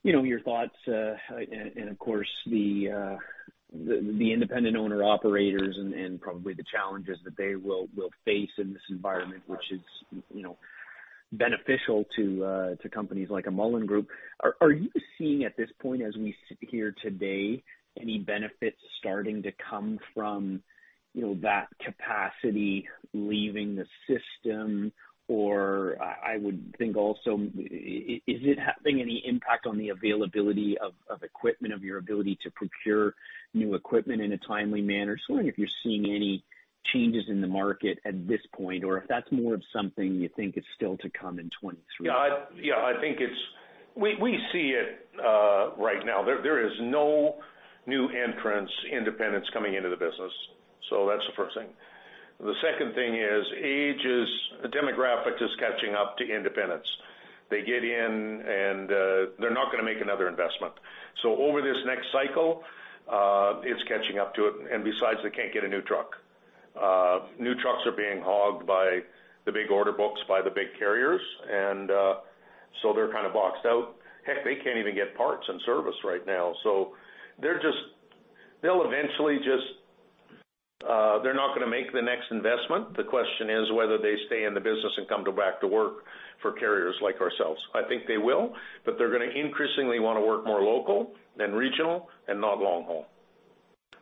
you know, your thoughts, and of course, the independent owner-operators and probably the challenges that they will face in this environment, which is, you know, beneficial to companies like a Mullen Group. Are you seeing at this point, as we sit here today, any benefits starting to come from, you know, that capacity leaving the system? I would think also, is it having any impact on the availability of equipment, of your ability to procure new equipment in a timely manner? I wonder if you're seeing any changes in the market at this point, or if that's more of something you think is still to come in 2023? Yeah, I think it's. We see it right now. There is no new entrants, independents coming into the business. That's the first thing. The second thing is age the demographic is catching up to independents. They get in, and they're not gonna make another investment. Over this next cycle, it's catching up to it, and besides, they can't get a new truck. New trucks are being hogged by the big order books, by the big carriers, and they're kind of boxed out. Heck, they can't even get parts and service right now. They'll eventually just, they're not gonna make the next investment. The question is whether they stay in the business and come to back to work for carriers like ourselves. I think they will, but they're gonna increasingly wanna work more local than regional and not long haul.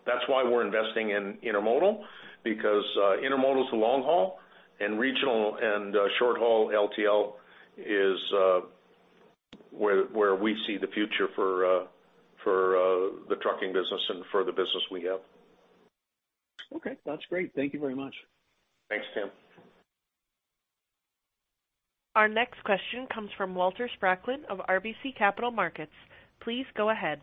That's why we're investing in intermodal, because intermodal is a long haul, and regional and short haul LTL is where we see the future for for the trucking business and for the business we have. Okay, that's great. Thank you very much. Thanks, Tim. Our next question comes from Walter Spracklin of RBC Capital Markets. Please go ahead.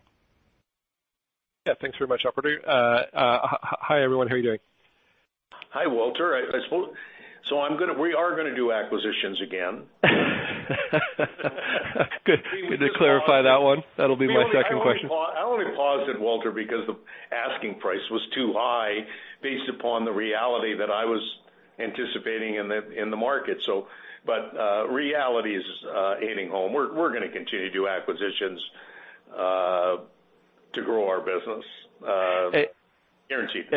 Yeah, thanks very much operator. Hi, everyone. How are you doing? Hi, Walter. We are gonna do acquisitions again. Good. Good to clarify that one. That'll be my second question. I only paused it Walter, because the asking price was too high, based upon the reality that I was anticipating in the market. Reality is hitting home. We're gonna continue to do acquisitions to grow our business, guaranteed.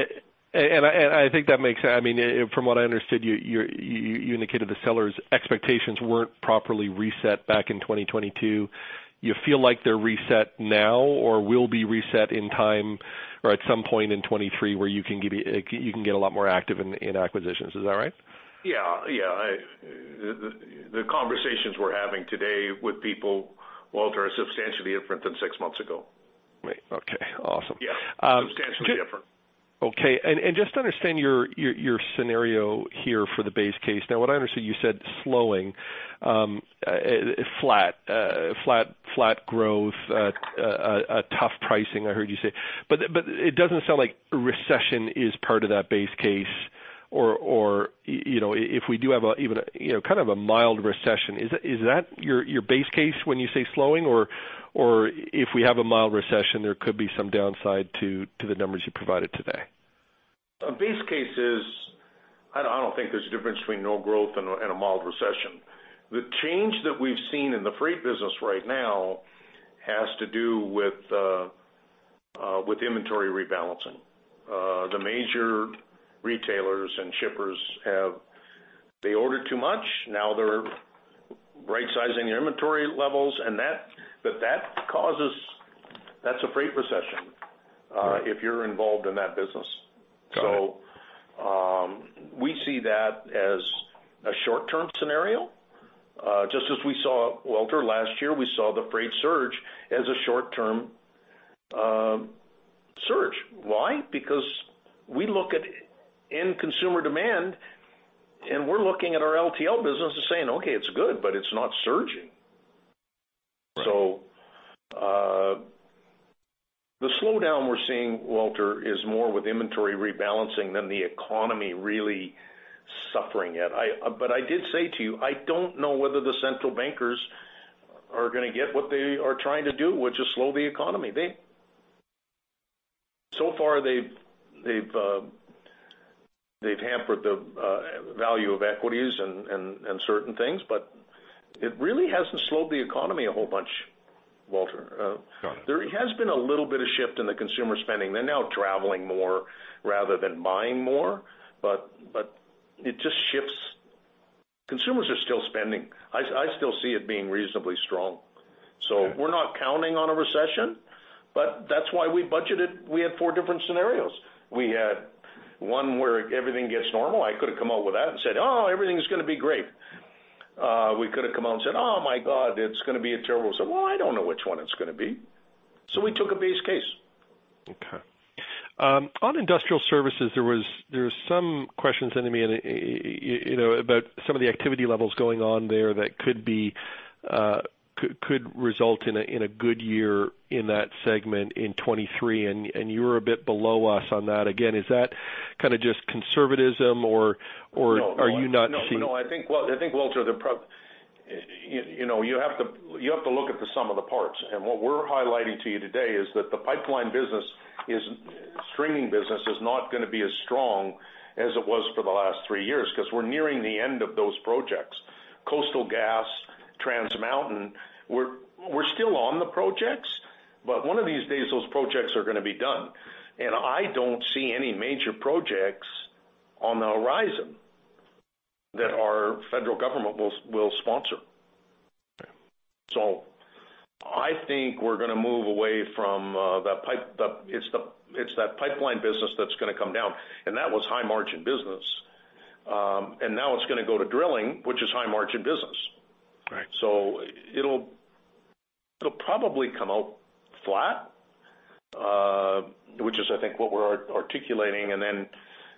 I think that makes sense. I mean, from what I understood, you indicated the sellers' expectations weren't properly reset back in 2022. You feel like they're reset now or will be reset in time, or at some point in 2023, where you can get a lot more active in acquisitions. Is that right? Yeah. Yeah. The conversations we're having today with people, Walter, are substantially different than six months ago. Okay, awesome. Yeah, substantially different. Okay, just to understand your scenario here for the base case. What I understood, you said slowing, flat growth, a tough pricing, I heard you say. It doesn't sound like recession is part of that base case, or, you know, if we do have even a, you know, kind of a mild recession, is that your base case when you say slowing? If we have a mild recession, there could be some downside to the numbers you provided today? Our base case is, I don't think there's a difference between no growth and a mild recession. The change that we've seen in the freight business right now has to do with inventory rebalancing. The major retailers and shippers ordered too much. Now they're right-sizing their inventory levels. That's a freight recession if you're involved in that business. Got it. We see that as a short-term scenario. Just as we saw, Walter, last year, we saw the freight surge as a short-term surge. Why? Because we look at end consumer demand, and we're looking at our LTL business and saying, "Okay, it's good, but it's not surging. Right. The slowdown we're seeing, Walter, is more with inventory rebalancing than the economy really suffering yet. But I did say to you, I don't know whether the central bankers are gonna get what they are trying to do, which is slow the economy. So far, they've hampered the value of equities and certain things, but it really hasn't slowed the economy a whole bunch, Walter. Got it. There has been a little bit of shift in the consumer spending. They're now traveling more rather than buying more, but it just shifts. Consumers are still spending. I still see it being reasonably strong. Okay. We're not counting on a recession, but that's why we budgeted. We had four different scenarios. We had one where everything gets normal. I could have come out with that and said, "Oh, everything's gonna be great." We could have come out and said, "Oh, my God, it's gonna be a terrible." I said, "I don't know which one it's gonna be." We took a base case. Okay. On industrial services, there was some questions sent to me and, you know, about some of the activity levels going on there that could be, could result in a, in a good year in that segment in 2023, and you were a bit below us on that. Again, is that kind of just conservatism or? No. Are you not seeing? No, I think, Walter, you know, you have to look at the sum of the parts. What we're highlighting to you today is that the pipeline business streaming business is not gonna be as strong as it was for the last three years, 'cause we're nearing the end of those projects. Coastal GasLink, Trans Mountain, we're still on the projects, but one of these days, those projects are gonna be done. I don't see any major projects on the horizon that our federal government will sponsor. Okay. I think we're gonna move away from that pipe, it's that pipeline business that's gonna come down, and that was high-margin business. Now it's gonna go to drilling, which is high-margin business. Right. It'll probably come out flat, which is, I think, what we're articulating.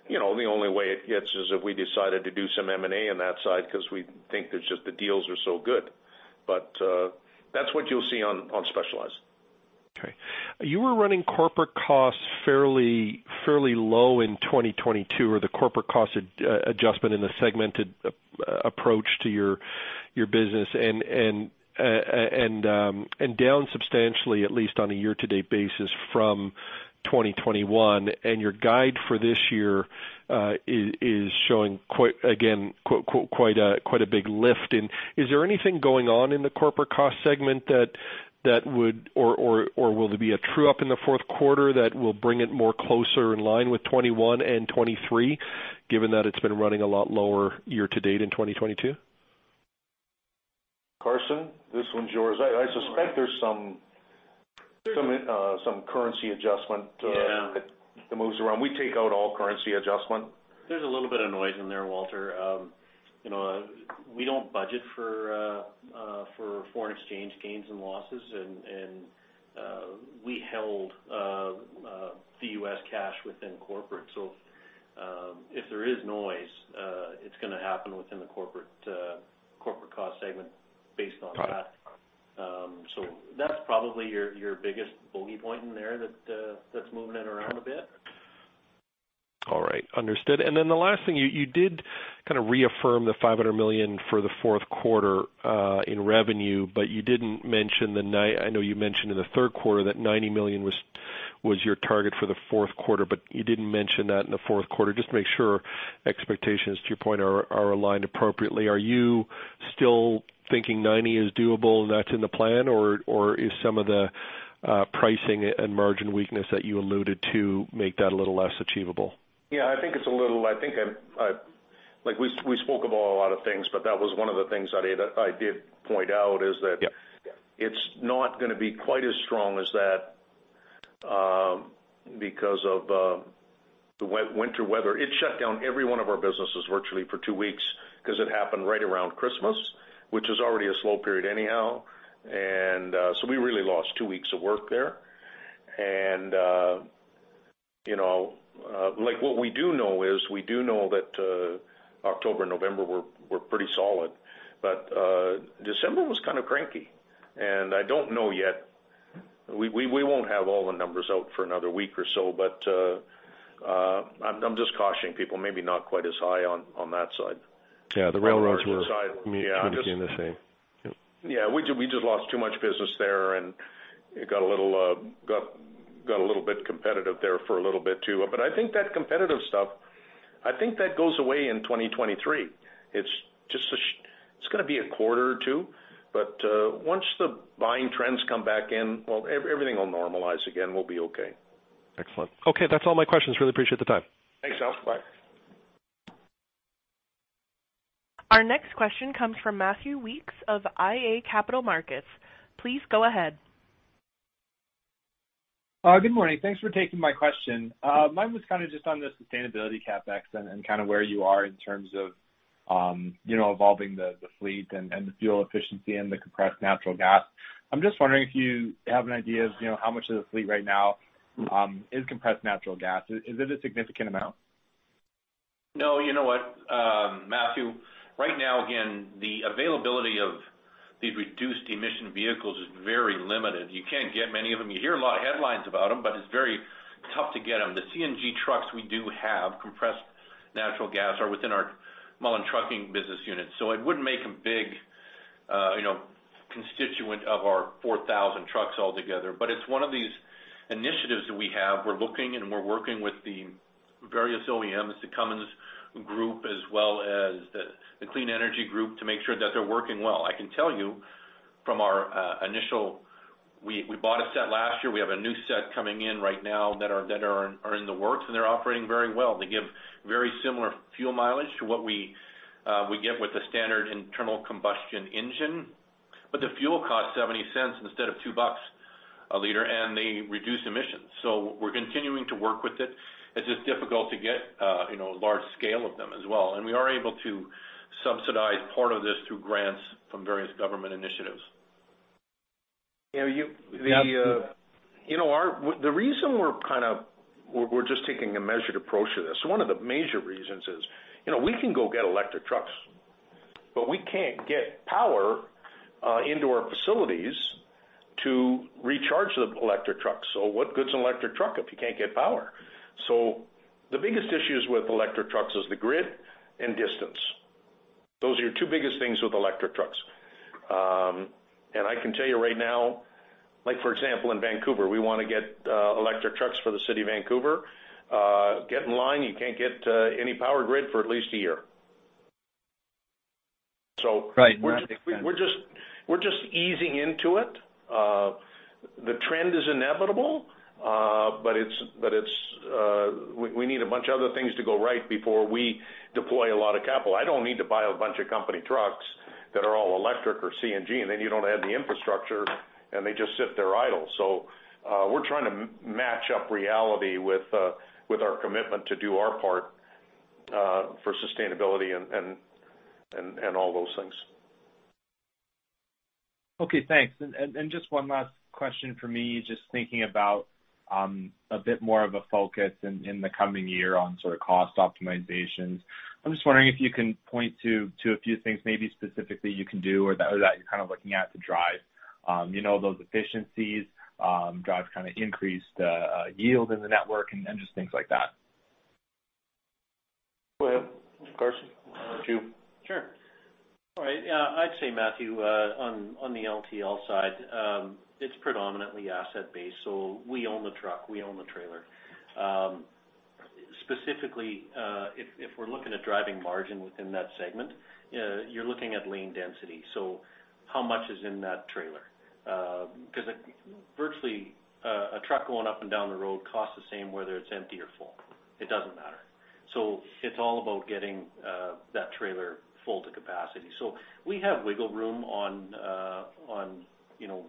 You know the only way it gets is if we decided to do some M&A on that side, 'cause we think that just the deals are so good. That's what you'll see on specialized. Okay. You were running corporate costs fairly low in 2022, or the corporate cost adjustment in the segmented approach to your business. And down substantially, at least on a year-to-date basis from 2021, and your guide for this year is showing quite, again, quote, "quite a, quite a big lift." Is there anything going on in the corporate cost segment? Or will there be a true up in the fourth quarter that will bring it more closer in line with 2021 and 2023, given that it's been running a lot lower year to date in 2022? Carson, this one's yours. I suspect there's some currency adjustment. Yeah That moves around. We take out all currency adjustment. There's a little bit of noise in there, Walter. You know, we don't budget for foreign exchange gains and losses, and we held the U.S. cash within corporate. If there is noise, it's gonna happen within the corporate cost segment based on that. Got it. That's probably your biggest bogey point in there that's moving it around a bit. All right. Understood. The last thing, you did kind of reaffirm the 500 million for the fourth quarter in revenue, but you didn't mention I know you mentioned in the third quarter that 90 million was your target for the fourth quarter, but you didn't mention that in the fourth quarter. Just to make sure expectations, to your point, are aligned appropriately. Are you still thinking 90 is doable, and that's in the plan? Or is some of the pricing and margin weakness that you alluded to make that a little less achievable? Yeah, I think I like, we spoke about a lot of things, but that was one of the things that I did point out, is that. Yeah. It's not gonna be quite as strong as that, because of the winter weather. It shut down every one of our businesses virtually for two weeks because it happened right around Christmas, which is already a slow period anyhow. So we really lost two weeks of work there. You know, like, what we do know is, we do know that October and November were pretty solid, but December was kind of cranky, and I don't know yet. We won't have all the numbers out for another week or so, but I'm just cautioning people, maybe not quite as high on that side. Yeah, the railroads. Pretty much in the same. Yep. Yeah, we just lost too much business there, and it got a little competitive there for a little bit, too. I think that competitive stuff, I think that goes away in 2023. It's just it's gonna be a quarter or two, once the buying trends come back in, well, everything will normalize again. We'll be okay. Excellent. Okay, that's all my questions. Really appreciate the time. Thanks, Walt. Bye. Our next question comes from Matthew Weekes of iA Capital Markets. Please go ahead. Good morning. Thanks for taking my question. Mine was kind of just on the sustainability CapEx and kind of where you are in terms of, you know, evolving the fleet and the fuel efficiency and the compressed natural gas. I'm just wondering if you have an idea of, you know, how much of the fleet right now, is compressed natural gas. Is it a significant amount? You know what, Matthew, right now, again the availability of these reduced emission vehicles is very limited. You can't get many of them. You hear a lot of headlines about them, but it's very tough to get them. The CNG trucks we do have, compressed natural gas, are within our Mullen Trucking business unit. It wouldn't make a big, you know, constituent of our 4,000 trucks altogether. It's one of these initiatives that we have. We're looking and we're working with the various OEMs, the Cummins group, as well as the Clean Energy Group, to make sure that they're working well. I can tell you from our initial, we bought a set last year. We have a new set coming in right now that are in the works, and they're operating very well. They give very similar fuel mileage to what we get with the standard internal combustion engine, but the fuel costs 0.70 instead of 2 bucks a liter, and they reduce emissions. We're continuing to work with it. It's just difficult to get, you know, a large scale of them as well. We are able to subsidize part of this through grants from various government initiatives. You know, you, the, you know, the reason we're kind of, we're just taking a measured approach to this, one of the major reasons is, you know, we can go get electric trucks, but we can't get power into our facilities to recharge the electric trucks. What good's an electric truck if you can't get power? The biggest issues with electric trucks is the grid and distance. Those are your two biggest things with electric trucks. I can tell you right now, like for example, in Vancouver, we want to get electric trucks for the city of Vancouver. Get in line. You can't get any power grid for at least a year. Right. We're just easing into it. The trend is inevitable. We need a bunch of other things to go right before we deploy a lot of capital. I don't need to buy a bunch of company trucks that are all electric or CNG, and then you don't have the infrastructure, and they just sit there idle. We're trying to match up reality with our commitment to do our part, for sustainability and all those things. Okay, thanks. Just one last question for me. Just thinking about a bit more of a focus in the coming year on sort of cost optimizations. I'm just wondering if you can point to a few things, maybe specifically you can do or that you're kind of looking at to drive, you know, those efficiencies, drive kind of increased yield in the network and just things like that. Well, of course. Matthew. Sure. All right. I'd say, Matthew, on the LTL side, it's predominantly asset-based, we own the truck, we own the trailer. Specifically, if we're looking at driving margin within that segment, you're looking at lane density. How much is in that trailer? Because virtually, a truck going up and down the road costs the same, whether it's empty or full, it doesn't matter. It's all about getting that trailer full to capacity. We have wiggle room on, you know,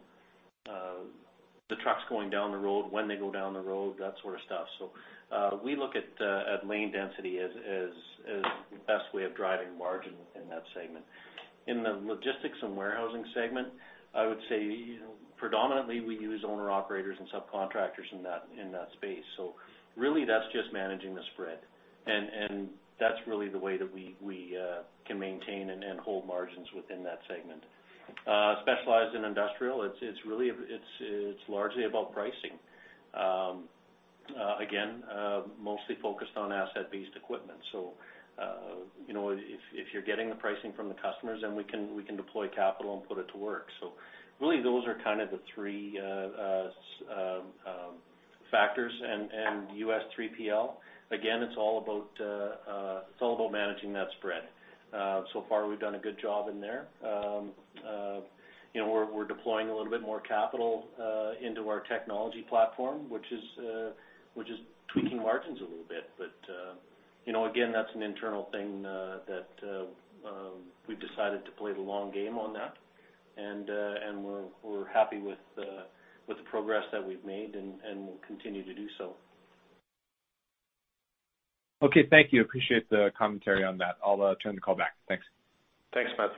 the trucks going down the road, when they go down the road, that sort of stuff. We look at lane density as the best way of driving margin within that segment. In the logistics and warehousing segment, I would say predominantly, we use owner-operators and subcontractors in that space. Really, that's just managing the spread, and that's really the way that we can maintain and hold margins within that segment. Specialized and Industrial, it's really largely about pricing. Again, mostly focused on asset-based equipment. You know, if you're getting the pricing from the customers, then we can deploy capital and put it to work. Really, those are kind of the three factors. US 3PL, again, it's all about managing that spread. So far, we've done a good job in there. You know, we're deploying a little bit more capital into our technology platform, which is tweaking margins a little bit. You know, again, that's an internal thing that we've decided to play the long game on that. We're happy with the progress that we've made and we'll continue to do so. Okay, thank you. Appreciate the commentary on that. I'll turn the call back. Thanks. Thanks, Matt.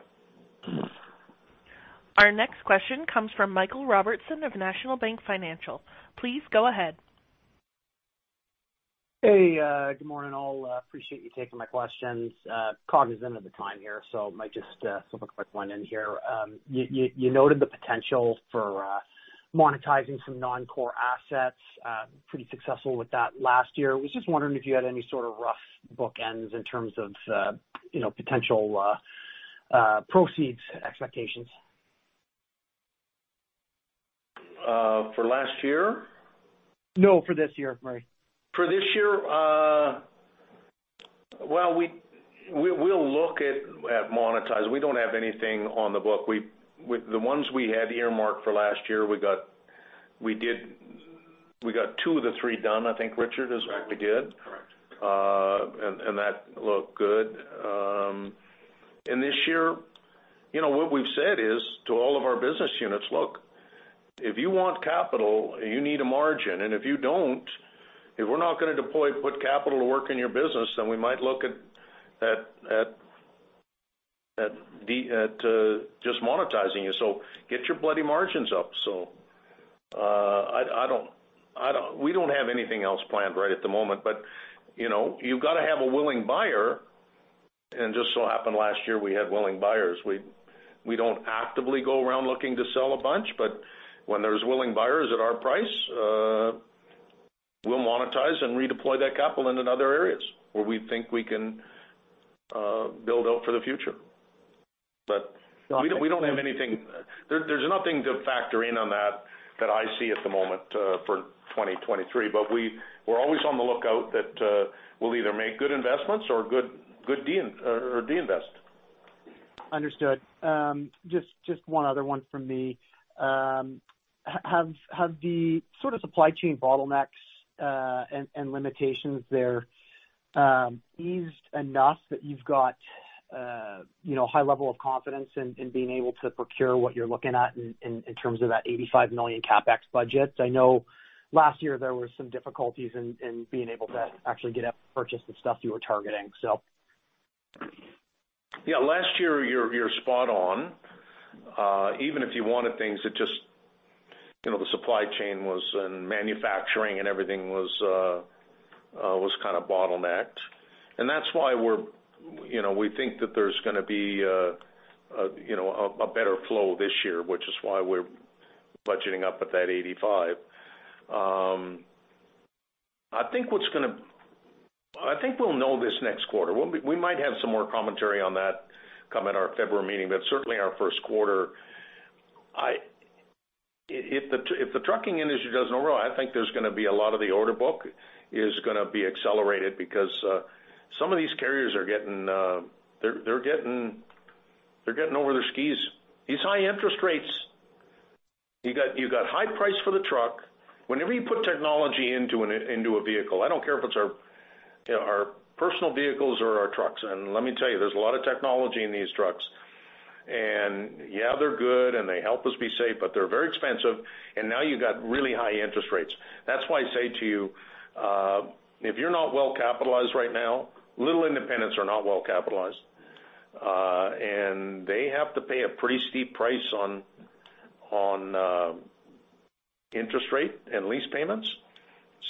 Our next question comes from Michael Robertson National Bank Financial. Please go ahead. Hey, good morning, all. Appreciate you taking my questions. Cognizant of the time here, so I might just slip a quick one in here. You noted the potential for monetizing some non-core assets, pretty successful with that last year. Was just wondering if you had any sort of rough bookends in terms of, you know, potential proceeds expectations? For last year? No, for this year. Sorry. For this year, well, we'll look at monetizing. We don't have anything on the book. The ones we had earmarked for last year, we did, we got two of the three done, I think, Richard, is what we did? That looked good. This year, you know, what we've said is, to all of our business units: "Look, if you want capital, you need a margin, and if you don't, if we're not gonna deploy, put capital to work in your business, then we might look at just monetizing you. Get your bloody margins up." We don't have anything else planned right at the moment, but, you know, you've got to have a willing buyer, and it just so happened last year, we had willing buyers. We don't actively go around looking to sell a bunch, but when there's willing buyers at our price, we'll monetize and redeploy that capital into other areas where we think we can build out for the future. We don't have anything. There's nothing to factor in on that I see at the moment, for 2023. We're always on the lookout that we'll either make good investments or de-invest. Understood. Just one other one from me. Have the sort of supply chain bottlenecks and limitations there eased enough that you've got, you know, a high level of confidence in being able to procure what you're looking at in terms of that 85 million CapEx budget? I know last year there were some difficulties in being able to actually get out and purchase the stuff you were targeting, so. Yeah, last year, you're spot on. Even if you wanted things, it just, you know, the supply chain was in manufacturing, and everything was kind of bottlenecked. That's why we're, you know, we think that there's gonna be, you know, a better flow this year, which is why we're budgeting up at that CAD 85. I think we'll know this next quarter. We might have some more commentary on that come at our February meeting. Certainly our 1st quarter. If the trucking industry doesn't roll, I think there's gonna be a lot of the order book is gonna be accelerated because some of these carriers are getting, they're getting over their skis. These high interest rates, you got high price for the truck. Whenever you put technology into a vehicle, I don't care if it's our, you know, our personal vehicles or our trucks, and let me tell you, there's a lot of technology in these trucks. Yeah, they're good, and they help us be safe, but they're very expensive, and now you've got really high interest rates. That's why I say to you, if you're not well capitalized right now, little independents are not well capitalized, and they have to pay a pretty steep price on interest rate and lease payments.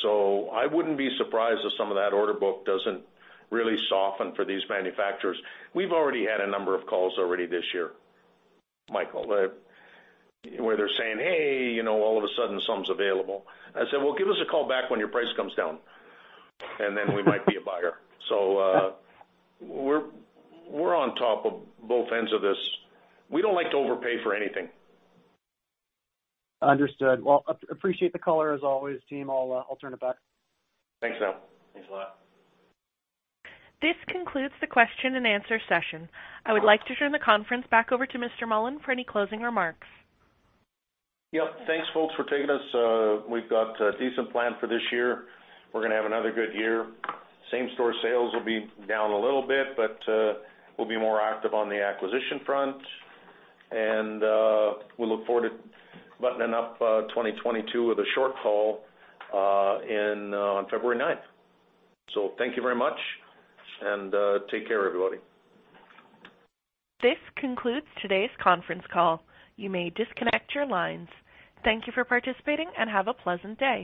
I wouldn't be surprised if some of that order book doesn't really soften for these manufacturers. We've already had a number of calls already this year, Michael, where they're saying, "Hey, you know, all of a sudden, something's available." I said, "Well, give us a call back when your price comes down, and then we might be a buyer." We're on top of both ends of this. We don't like to overpay for anything. Understood. Well, appreciate the call as always, team. I'll turn it back. Thanks, Matt. Thanks a lot. This concludes the question and answer session. I would like to turn the conference back over to Mr. Mullen for any closing remarks. Yep. Thanks, folks, for taking us. We've got a decent plan for this year. We're gonna have another good year. Same store sales will be down a little bit, we'll be more active on the acquisition front. We look forward to buttoning up 2022 with a short call on February 9th. Thank you very much and take care, everybody. This concludes today's conference call. You may disconnect your lines. Thank you for participating, and have a pleasant day.